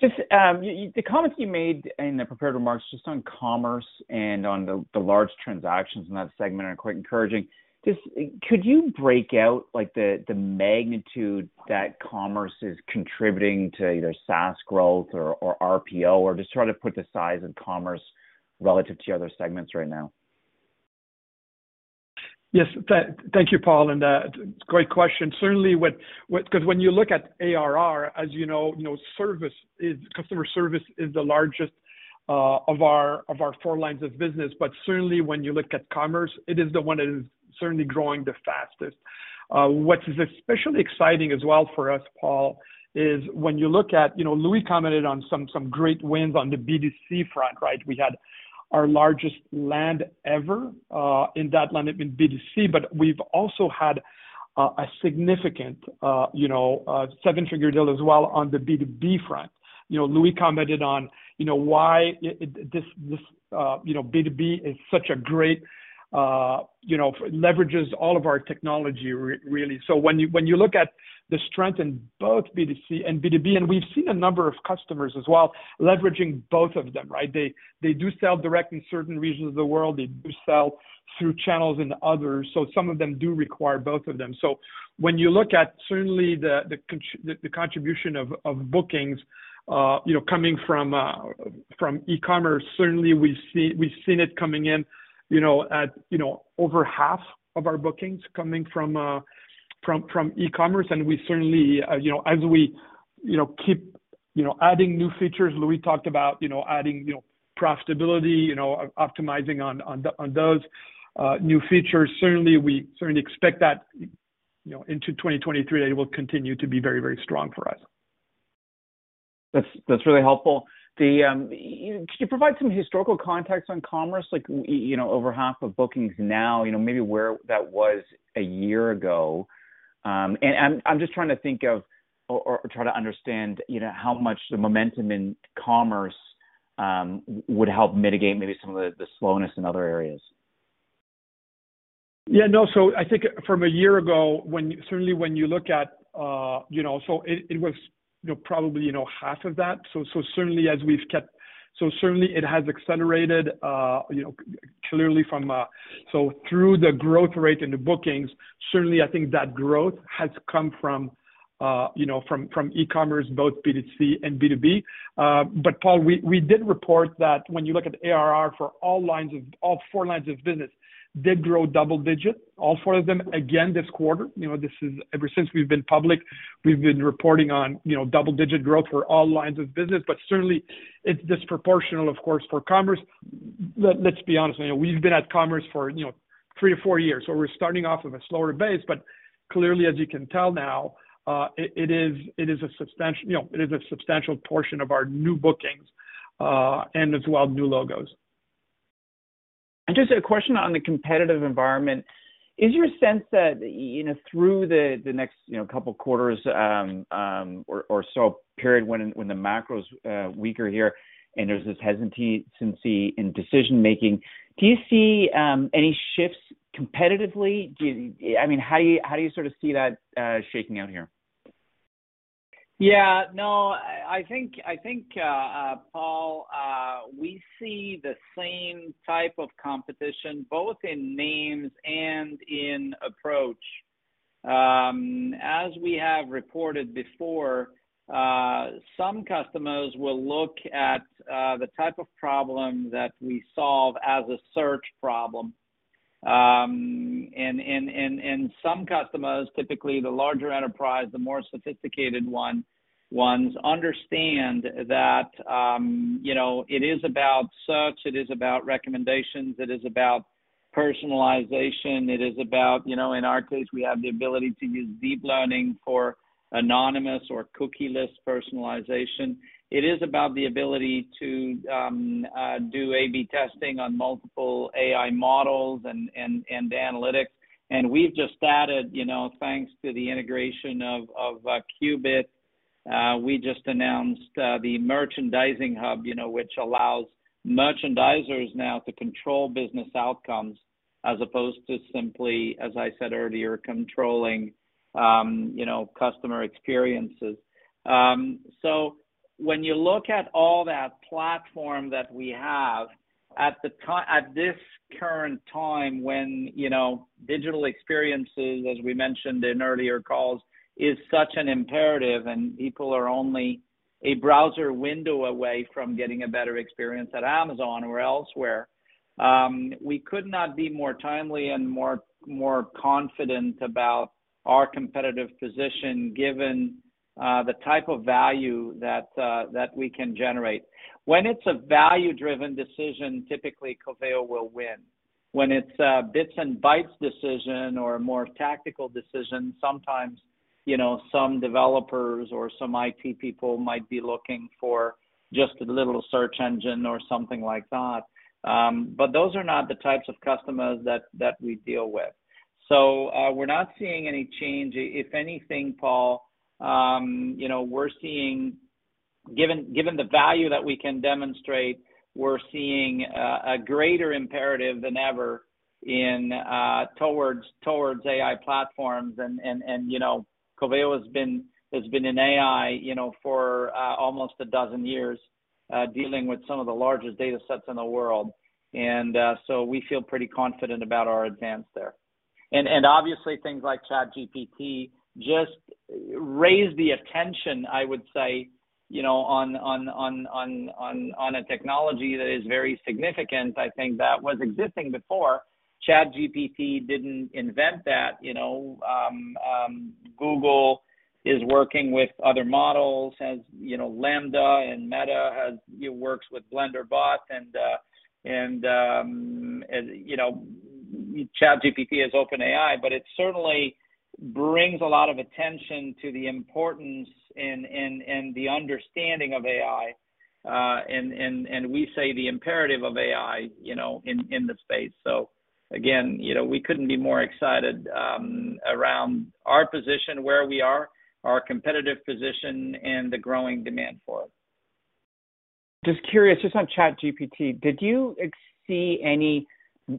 Just, the comments you made in the prepared remarks just on commerce and on the large transactions in that segment are quite encouraging. Just, could you break out like the magnitude that commerce is contributing to either SaaS growth or RPO or just try to put the size of commerce relative to your other segments right now?
Yes. Thank you, Paul, and great question. Certainly 'cause when you look at ARR, as you know, you know, customer service is the largest of our four lines of business. Certainly when you look at commerce, it is the one that is certainly growing the fastest. What is especially exciting as well for us, Paul, is when you look at, you know, Louis commented on some great wins on the B2C front, right? We had our largest land ever in that land in B2C. We've also had a significant, you know, seven-figure deal as well on the B2B front. You know, Louis commented on, you know, why it this, you know, B2B is such a great you know, leverages all of our technology really. So when you, when you look at the strength in both B2C and B2B, and we've seen a number of customers as well leveraging both of them, right? They, they do sell direct in certain regions of the world. They do sell through channels in others. Some of them do require both of them. When you look at certainly the contribution of bookings, you know, coming from e-commerce, certainly we've seen it coming in, you know, at, you know, over half of our bookings coming from e-commerce. We certainly, you know, as we, you know, keep, you know, adding new features, Louis talked about, you know, adding, you know, profitability, you know, optimizing on those new features. Certainly, we certainly expect that, you know, into 2023, it will continue to be very, very strong for us.
That's really helpful. The, could you provide some historical context on commerce like, you know, over half of bookings now, you know, maybe where that was a year ago? I'm just trying to think of or try to understand, you know, how much the momentum in commerce would help mitigate maybe some of the slowness in other areas.
Yeah, no. I think from a year ago, when certainly when you look at, you know, it was, you know, probably, you know, half of that. Certainly it has accelerated, you know, clearly from, so through the growth rate in the bookings. Certainly, I think that growth has come from, you know, from e-commerce, both B2C and B2B. Paul, we did report that when you look at the ARR for all four lines of business did grow double digit, all four of them again this quarter. You know, this is ever since we've been public, we've been reporting on, you know, double digit growth for all lines of business. Certainly it's disproportional, of course, for commerce. Let's be honest, you know, we've been at commerce for, you know, three to four years, so we're starting off of a slower base. Clearly, as you can tell now, you know, it is a substantial portion of our new bookings, and as well, new logos.
Just a question on the competitive environment. Is your sense that, you know, through the next, you know, couple quarters, or so, period when the macro's weaker here and there's this hesitancy in decision-making, do you see any shifts competitively? I mean, how do you sort of see that shaking out here?
Yeah. No, I think, I think Paul, we see the same type of competition both in names and in approach. As we have reported before, some customers will look at the type of problem that we solve as a search problem. Some customers, typically the larger enterprise, the more sophisticated one-ones, understand that, you know, it is about search, it is about recommendations, it is about personalization. It is about, you know, in our case, we have the ability to use deep learning for anonymous or cookieless personalization. It is about the ability to do A/B testing on multiple AI models and analytics. We've just added, you know, thanks to the integration of Qubit, we just announced the Merchandising Hub, you know, which allows merchandisers now to control business outcomes as opposed to simply, as I said earlier, controlling, you know, customer experiences. When you look at all that platform that we have, at this current time when, you know, digital experiences, as we mentioned in earlier calls, is such an imperative and people are only a browser window away from getting a better experience at Amazon or elsewhere, we could not be more timely and more confident about our competitive position given the type of value that we can generate. When it's a value-driven decision, typically Coveo will win. When it's a bits and bytes decision or a more tactical decision, sometimes, you know, some developers or some IT people might be looking for just a little search engine or something like that. Those are not the types of customers that we deal with. We're not seeing any change. If anything, Paul, you know, we're seeing Given, given the value that we can demonstrate, we're seeing a greater imperative than ever in towards AI platforms. You know, Coveo has been in AI, you know, for almost 12 years, dealing with some of the largest datasets in the world. We feel pretty confident about our advance there. Obviously things like ChatGPT just raise the attention, I would say, you know, on a technology that is very significant, I think that was existing before. ChatGPT didn't invent that, you know. Google is working with other models, as you know, LaMDA and Meta works with BlenderBot and, you know, ChatGPT is OpenAI. It certainly brings a lot of attention to the importance and the understanding of AI, and we say the imperative of AI, you know, in the space. Again, you know, we couldn't be more excited, around our position, where we are, our competitive position and the growing demand for it.
Just curious, just on ChatGPT, did you see any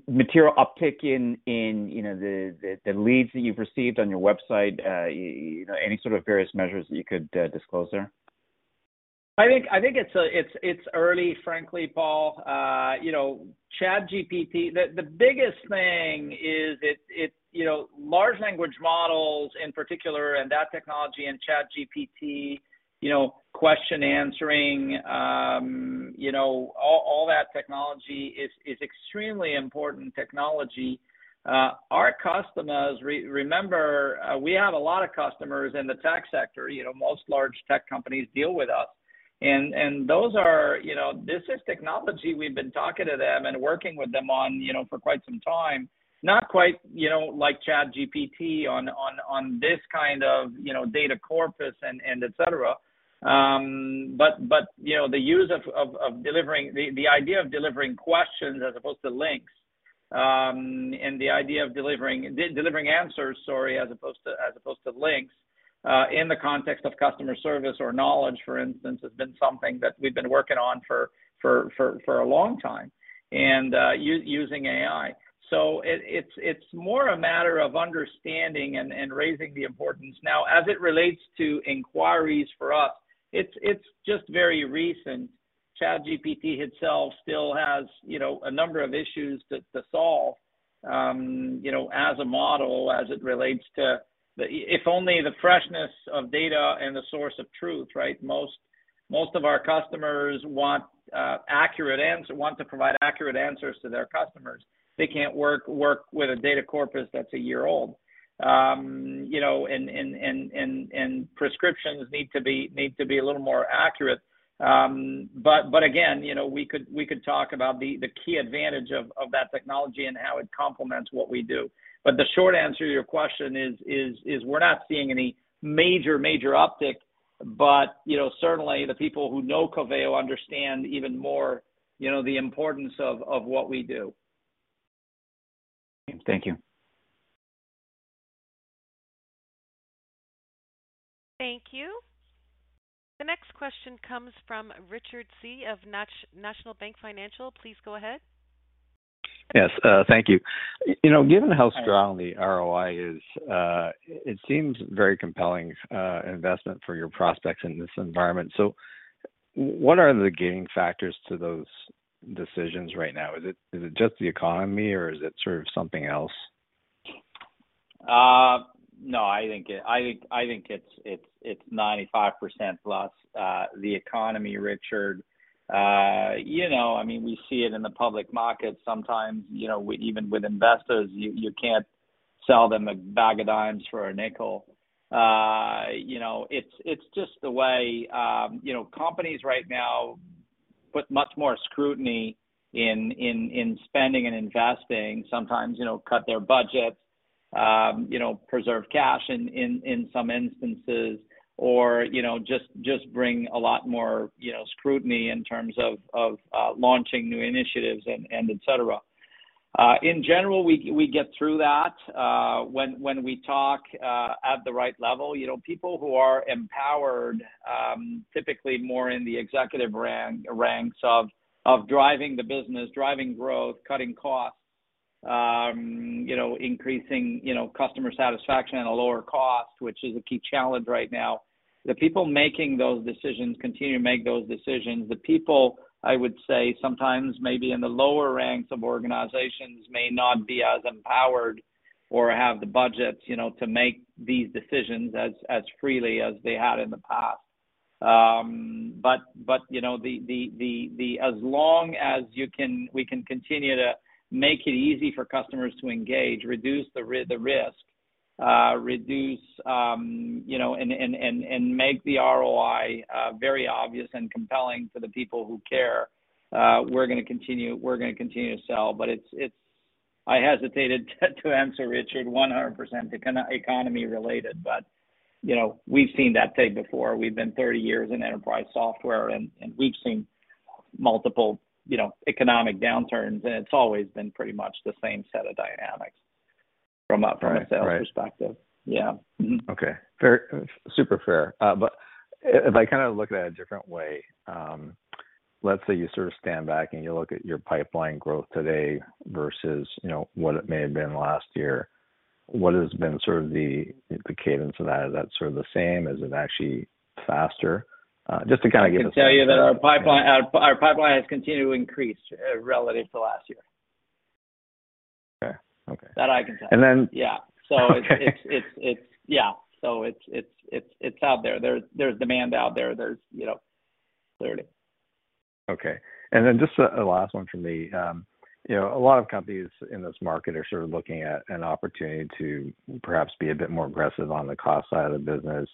material uptick in, you know, the leads that you've received on your website? you know, any sort of various measures that you could disclose there?
I think it's early, frankly, Paul. You know, ChatGPT. The biggest thing is it. You know, large language models in particular, and that technology and ChatGPT, you know, question answering, you know, all that technology is extremely important technology. Our customers re-remember, we have a lot of customers in the tech sector. You know, most large tech companies deal with us. Those are, you know. This is technology we've been talking to them and working with them on, you know, for quite some time. Not quite, you know, like ChatGPT on this kind of, you know, data corpus and et cetera. You know, the use of delivering the idea of delivering questions as opposed to links, and the idea of delivering answers, sorry, as opposed to, as opposed to links, in the context of customer service or knowledge, for instance, has been something that we've been working on for a long time and, using AI. It's more a matter of understanding and raising the importance. As it relates to inquiries for us, it's just very recent. ChatGPT itself still has, you know, a number of issues to solve, you know, as a model, as it relates to the... If only the freshness of data and the source of truth, right? Most of our customers want to provide accurate answers to their customers. They can't work with a data corpus that's a year old. You know, and prescriptions need to be a little more accurate. Again, you know, we could talk about the key advantage of that technology and how it complements what we do. The short answer to your question is we're not seeing any major uptick but, you know, certainly the people who know Coveo understand even more, you know, the importance of what we do.
Thank you.
Thank you. The next question comes from Richard Tse of National Bank Financial. Please go ahead.
Yes, thank you. You know, given how strong the ROI is, it seems very compelling investment for your prospects in this environment. What are the gaining factors to those decisions right now? Is it just the economy or is it sort of something else?
No, I think it's 95% plus the economy, Richard. You know, I mean, we see it in the public market sometimes. You know, even with investors, you can't sell them a bag of dimes for a nickel. You know, it's just the way. You know, companies right now put much more scrutiny in spending and investing, sometimes, you know, cut their budgets, you know, preserve cash in some instances, or, you know, just bring a lot more, you know, scrutiny in terms of launching new initiatives and et cetera. In general, we get through that when we talk at the right level. You know, people who are empowered, typically more in the executive ranks of driving the business, driving growth, cutting costs, you know, increasing, you know, customer satisfaction at a lower cost, which is a key challenge right now. The people making those decisions continue to make those decisions. The people, I would say, sometimes maybe in the lower ranks of organizations may not be as empowered or have the budgets, you know, to make these decisions as freely as they had in the past. But you know, the, as long as we can continue to make it easy for customers to engage, reduce the risk, reduce, you know, and make the ROI very obvious and compelling to the people who care, we're gonna continue, we're gonna continue to sell. It's I hesitated to answer, Richard. 100% economy related. You know, we've seen that tape before. We've been 30 years in enterprise software, and we've seen multiple, you know, economic downturns, and it's always been pretty much the same set of dynamics from a sales perspective.
Right.
Yeah. Mm-hmm.
Okay. Fair. Super fair. If I kind of look at it a different way, let's say you sort of stand back and you look at your pipeline growth today versus, you know, what it may have been last year. What has been sort of the cadence of that? Is that sort of the same? Is it actually faster? Just to kind of get a sense of that.
I can tell you that our pipeline has continued to increase relative to last year.
Okay. Okay.
That I can tell you.
then-
Yeah.
Okay.
It's. Yeah. It's out there. There's demand out there. There's, you know, clearly.
Okay. just a last one from me. you know, a lot of companies in this market are sort of looking at an opportunity to perhaps be a bit more aggressive on the cost side of the business.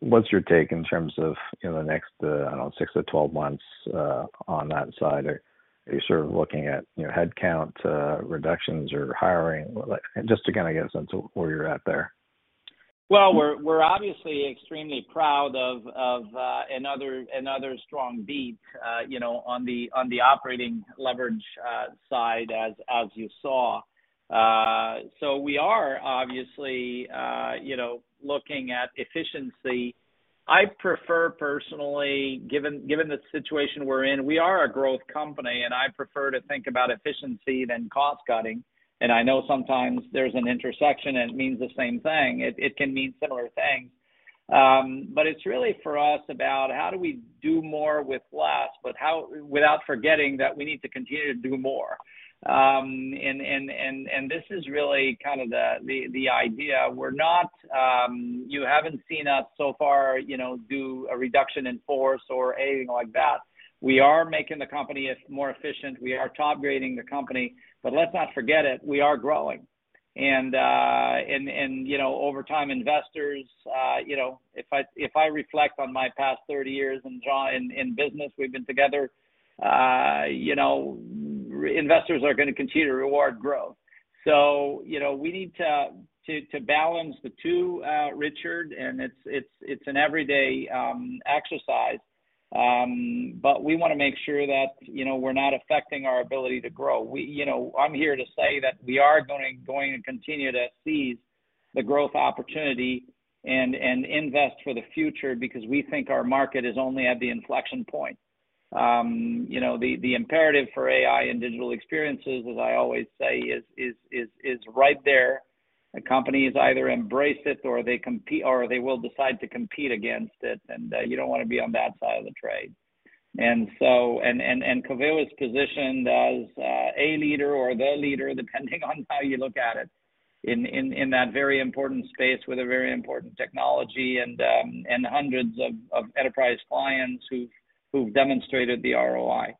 What's your take in terms of, you know, the next, I don't know, 6-12 months on that side? Are you sort of looking at, you know, headcount, reductions or hiring? Like, just to kinda get a sense of where you're at there.
Well, we're obviously extremely proud of another strong beat, you know, on the operating leverage side as you saw. We are obviously, you know, looking at efficiency. I prefer personally, given the situation we're in, we are a growth company, and I prefer to think about efficiency than cost-cutting. I know sometimes there's an intersection, and it means the same thing. It can mean similar things. It's really for us about how do we do more with less, but without forgetting that we need to continue to do more. This is really kind of the idea. We're not you haven't seen us so far, you know, do a reduction in force or anything like that. We are making the company more efficient. We are top-grading the company. Let's not forget it, we are growing. And, you know, over time investors, you know, if I, if I reflect on my past 30 years in business, we've been together, you know, investors are gonna continue to reward growth. You know, we need to, to balance the two, Richard, and it's, it's an everyday exercise. We wanna make sure that, you know, we're not affecting our ability to grow. We, you know, I'm here to say that we are going to continue to seize the growth opportunity and invest for the future because we think our market is only at the inflection point. You know, the imperative for AI and digital experiences, as I always say is right there, and companies either embrace it or they will decide to compete against it, and you don't wanna be on that side of the trade. Coveo is positioned as a leader or the leader, depending on how you look at it, in that very important space with a very important technology and hundreds of enterprise clients who've demonstrated the ROI.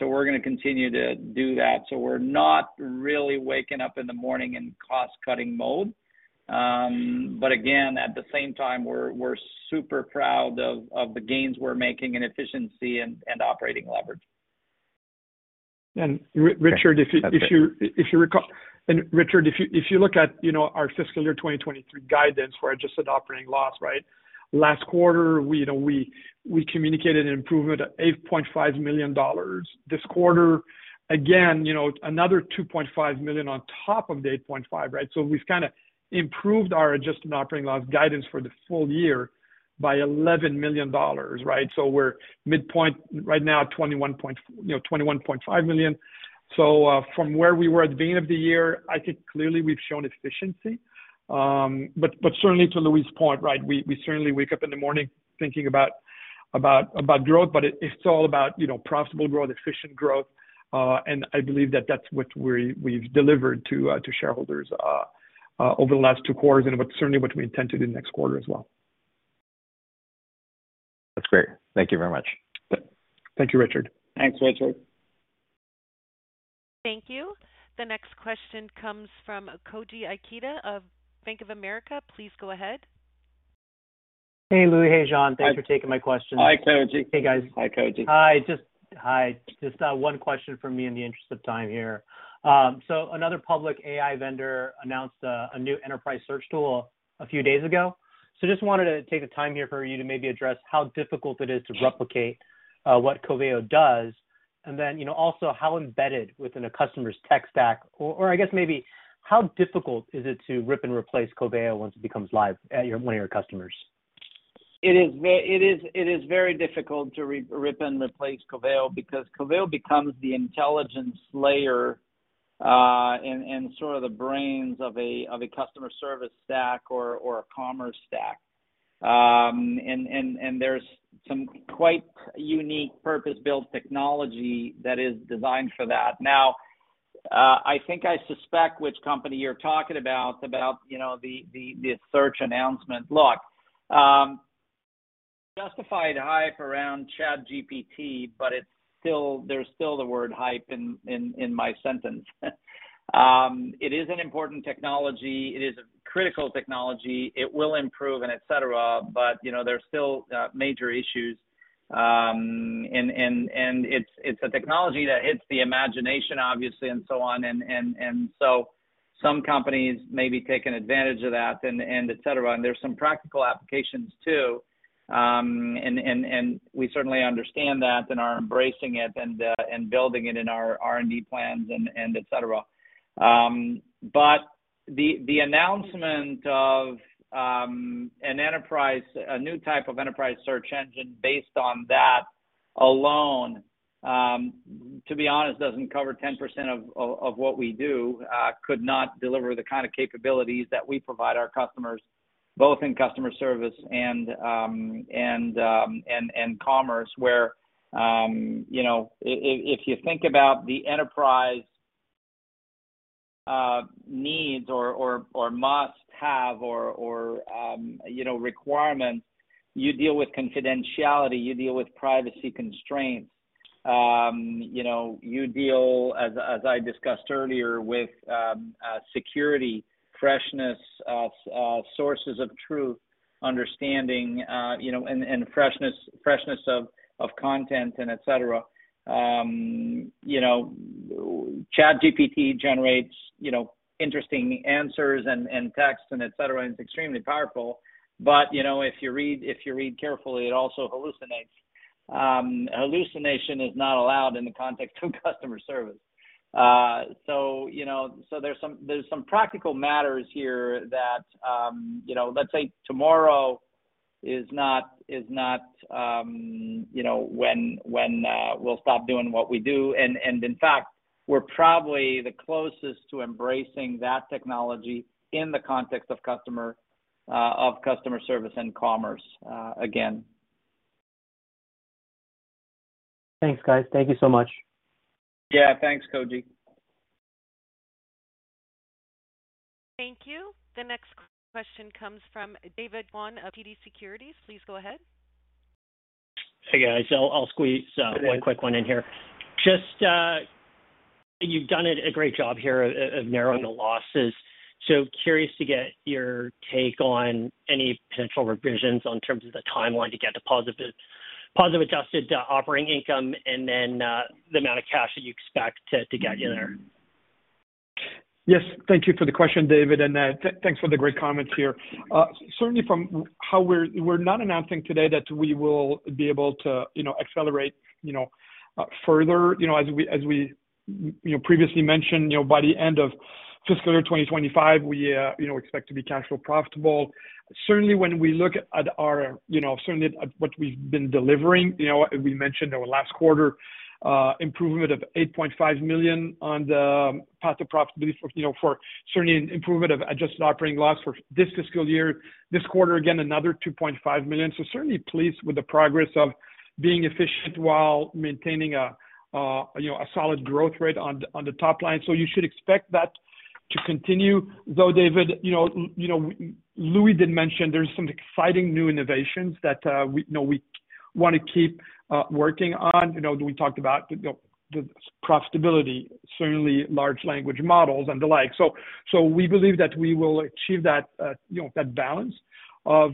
We're gonna continue to do that. We're not really waking up in the morning in cost-cutting mode. At the same time, we're super proud of the gains we're making in efficiency and operating leverage.
Richard, if you look at, you know, our fiscal year 2023 guidance for adjusted operating loss, right? Last quarter, we, you know, we communicated an improvement of $8.5 million. This quarter, again, you know, another $2.5 million on top of the $8.5 million, right? We've kinda improved our adjusted operating loss guidance for the full year by $11 million, right? We're midpoint right now at you know, $21.5 million. From where we were at the beginning of the year, I think clearly we've shown efficiency. Certainly to Louis' point, right, we certainly wake up in the morning thinking about growth, but it's all about, you know, profitable growth, efficient growth, and I believe that that's what we've delivered to shareholders over the last two quarters, and certainly what we intend to do next quarter as well.
That's great. Thank you very much.
Thank you, Richard.
Thanks, Richard.
Thank you. The next question comes from Koji Ikeda of Bank of America. Please go ahead.
Hey, Louis. Hey, Jean. Thanks for taking my question.
Hi, Koji.
Hey, guys.
Hi, Koji.
Hi. Just one question from me in the interest of time here. Another public AI vendor announced a new enterprise search tool a few days ago. Just wanted to take the time here for you to maybe address how difficult it is to replicate what Coveo does, and then, you know, also how embedded within a customer's tech stack or I guess maybe how difficult is it to rip and replace Coveo once it becomes live at one of your customers?
It is, it is very difficult to rip and replace Coveo because Coveo becomes the intelligence layer, and sort of the brains of a customer service stack or a commerce stack. There's some quite unique purpose-built technology that is designed for that. Now, I think I suspect which company you're talking about, you know, the search announcement. Look, justified hype around ChatGPT, but there's still the word hype in my sentence. It is an important technology. It is a critical technology. It will improve and et cetera, but, you know, there's still major issues, and it's a technology that hits the imagination obviously and so on. Some companies may be taking advantage of that and et cetera, and there's some practical applications too. We certainly understand that and are embracing it and building it in our R&D plans and et cetera. The announcement of an enterprise, a new type of enterprise search engine based on that alone, to be honest, doesn't cover 10% of what we do, could not deliver the kind of capabilities that we provide our customers, both in customer service and commerce, where, you know, if you think about the enterprise needs or must-have or, you know, requirements, you deal with confidentiality, you deal with privacy constraints. You know, you deal, as I discussed earlier, with security, freshness of sources of truth, understanding, you know, and freshness of content and et cetera. You know, ChatGPT generates, you know, interesting answers and texts and et cetera, and it's extremely powerful. You know, if you read carefully, it also hallucinates. Hallucination is not allowed in the context of customer service. You know, there's some practical matters here that, you know, let's say tomorrow is not, you know, when we'll stop doing what we do. In fact, we're probably the closest to embracing that technology in the context of customer service and commerce again.
Thanks, guys. Thank you so much.
Yeah. Thanks, Koji.
Thank you. The next question comes from David Kwan of TD Securities. Please go ahead.
Hey, guys. I'll squeeze one quick one in here. Just, you've done a great job here of narrowing the losses. Curious to get your take on any potential revisions on terms of the timeline to get to positive adjusted operating income and then, the amount of cash that you expect to get you there?
Yes. Thank you for the question, David, and thanks for the great comments here. Certainly We're not announcing today that we will be able to, you know, accelerate, you know, further. You know, as we, as we, you know, previously mentioned, you know, by the end of fiscal year 2025, we, you know, expect to be cash flow profitable. Certainly, when we look at our, you know, certainly at what we've been delivering, you know, we mentioned our last quarter, improvement of $8.5 million on the path to profitability for, you know, for certainly an improvement of adjusted operating loss for this fiscal year. This quarter, again, another $2.5 million. Certainly pleased with the progress of being efficient while maintaining a, you know, a solid growth rate on the, on the top line. You should expect that to continue. Though, David, you know, Louis did mention there's some exciting new innovations that we, you know, we wanna keep working on. You know, we talked about the profitability, certainly large language models and the like. We believe that we will achieve that, you know, that balance of,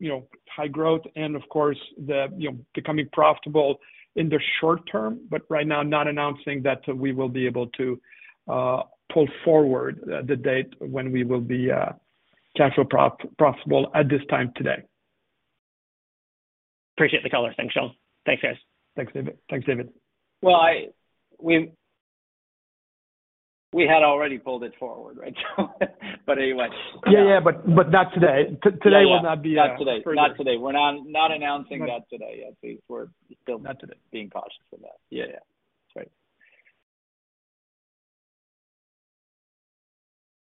you know, high growth and of course the, you know, becoming profitable in the short term. Right now, not announcing that we will be able to pull forward the date when we will be cash flow profitable at this time today.
Appreciate the color. Thanks, Jean. Thanks, guys.
Thanks, David. Thanks, David.
Well, We had already pulled it forward, right, Jean? Anyway.
Yeah, yeah. Not today. today will not be a-
Yeah, not today. Not today. We're not announcing that today-
Not today.
-being cautious of that.
Yeah. Yeah. That's right.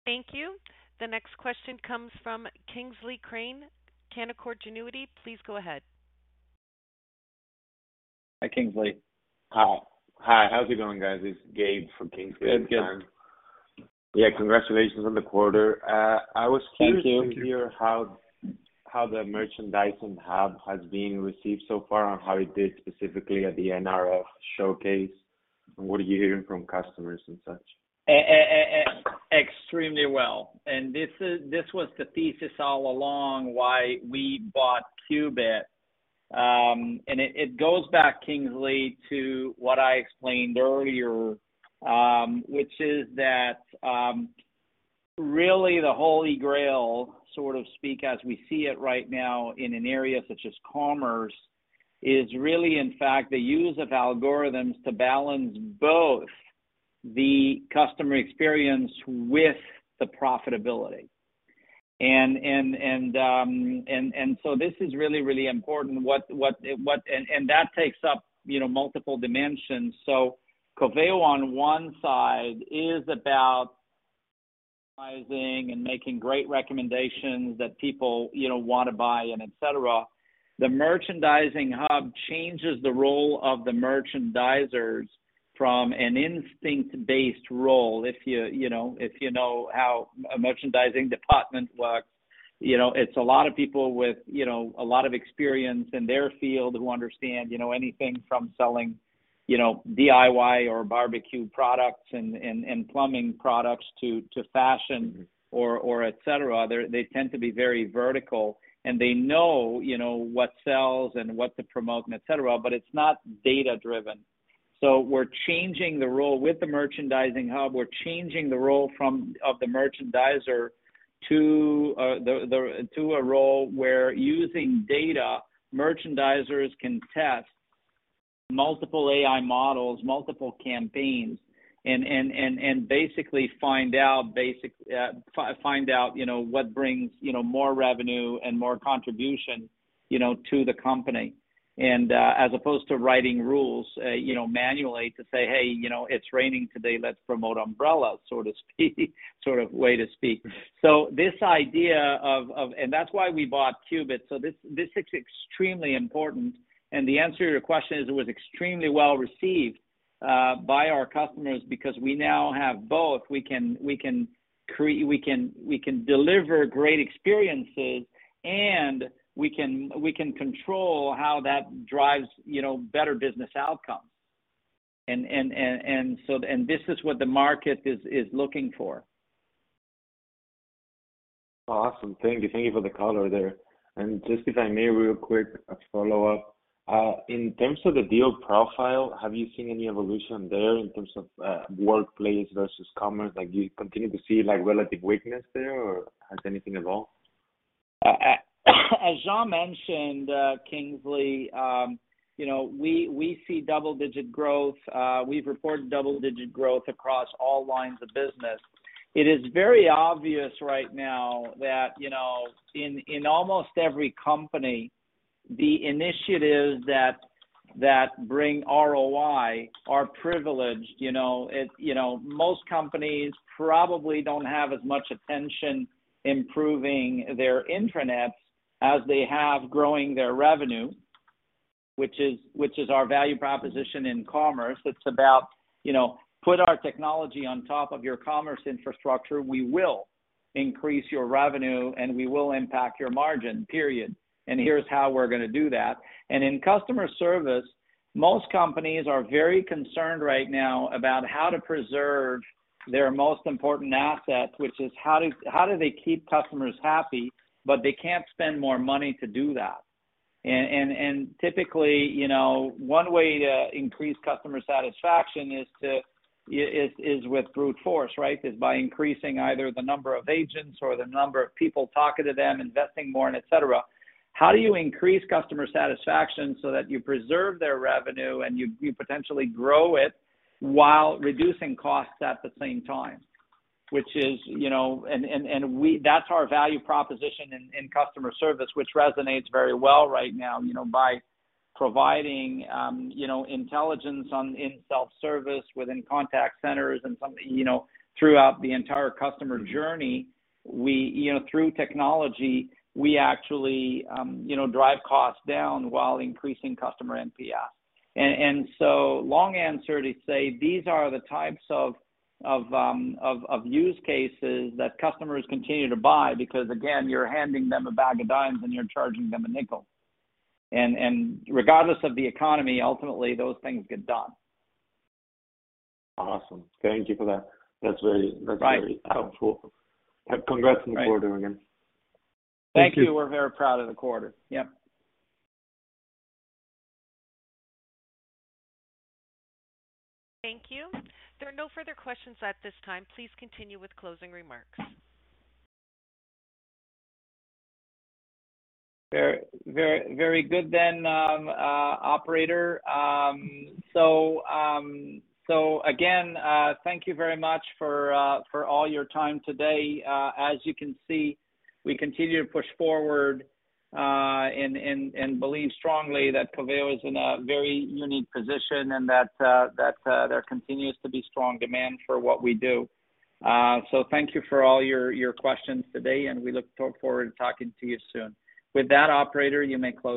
Thank you. The next question comes from Kingsley Crane, Canaccord Genuity. Please go ahead.
Hi, Kingsley.
Hi. How's it going, guys? It's Gabe for Kingsley Crane.
Good. Good.
Yeah. Congratulations on the quarter. I was curious-
Thank you.
-to hear how the Merchandising Hub has been received so far and how it did specifically at the NRF Showcase, what are you hearing from customers and such.
Extremely well. This was the thesis all along why we bought Qubit. It, it goes back, Kingsley, to what I explained earlier, which is that really the holy grail, so to speak, as we see it right now in an area such as commerce, is really in fact the use of algorithms to balance both the customer experience with the profitability. This is really, really important. What, what... That takes up, you know, multiple dimensions. Coveo on one side is about rising and making great recommendations that people, you know, want to buy and et cetera. The Merchandising Hub changes the role of the merchandisers from an instinct-based role. If you know, if you know how a merchandising department works, you know, it's a lot of people with, you know, a lot of experience in their field who understand, you know, anything from selling, you know, DIY or barbecue products and plumbing products to fashion or et cetera. They, they tend to be very vertical, and they know, you know, what sells and what to promote and et cetera, but it's not data-driven. We're changing the role with the Merchandising Hub. We're changing the role from, of the merchandiser to the to a role where using data, merchandisers can test multiple AI models, multiple campaigns, and basically find out, you know, what brings, you know, more revenue and more contribution, you know, to the company. As opposed to writing rules, you know, manually to say, "Hey, you know, it's raining today, let's promote umbrellas," so to speak, sort of way to speak. This idea of... And that's why we bought Qubit. This is extremely important. The answer to your question is it was extremely well received by our customers because we now have both. We can deliver great experiences, and we can control how that drives, you know, better business outcomes. This is what the market is looking for.
Awesome. Thank you. Thank you for the color there. Just if I may real quick, a follow-up. In terms of the deal profile, have you seen any evolution there in terms of workplace versus commerce? Do you continue to see relative weakness there, or has anything evolved?
As Jean mentioned, Kingsley, you know, we see double-digit growth. We've reported double-digit growth across all lines of business. It is very obvious right now that, you know, in almost every company, the initiatives that bring ROI are privileged. You know, most companies probably don't have as much attention improving their intranets as they have growing their revenue, which is our value proposition in commerce. It's about, you know, put our technology on top of your commerce infrastructure, we will increase your revenue, and we will impact your margin, period. Here's how we're gonna do that. In customer service, most companies are very concerned right now about how to preserve their most important asset, which is how do they keep customers happy, but they can't spend more money to do that. Typically, you know, one way to increase customer satisfaction is with brute force, right? Is by increasing either the number of agents or the number of people talking to them, investing more and et cetera. How do you increase customer satisfaction so that you preserve their revenue, and you potentially grow it while reducing costs at the same time? Which is, you know. That's our value proposition in customer service, which resonates very well right now, you know, by providing, you know, intelligence on in self-service within contact centers and some, you know, throughout the entire customer journey. You know, through technology, we actually, you know, drive costs down while increasing customer NPS. Long answer to say these are the types of use cases that customers continue to buy because, again, you're handing them a bag of dimes, and you're charging them a nickel. Regardless of the economy, ultimately, those things get done.
Awesome. Thank you for that. That's very helpful.
Right.
Congrats on the quarter again.
Thank you. We're very proud of the quarter. Yep.
Thank you. There are no further questions at this time. Please continue with closing remarks.
Very good then, operator. Again, thank you very much for all your time today. As you can see, we continue to push forward and believe strongly that Coveo is in a very unique position and that there continues to be strong demand for what we do. Thank you for all your questions today, and we look forward to talking to you soon. With that, operator, you may close the call.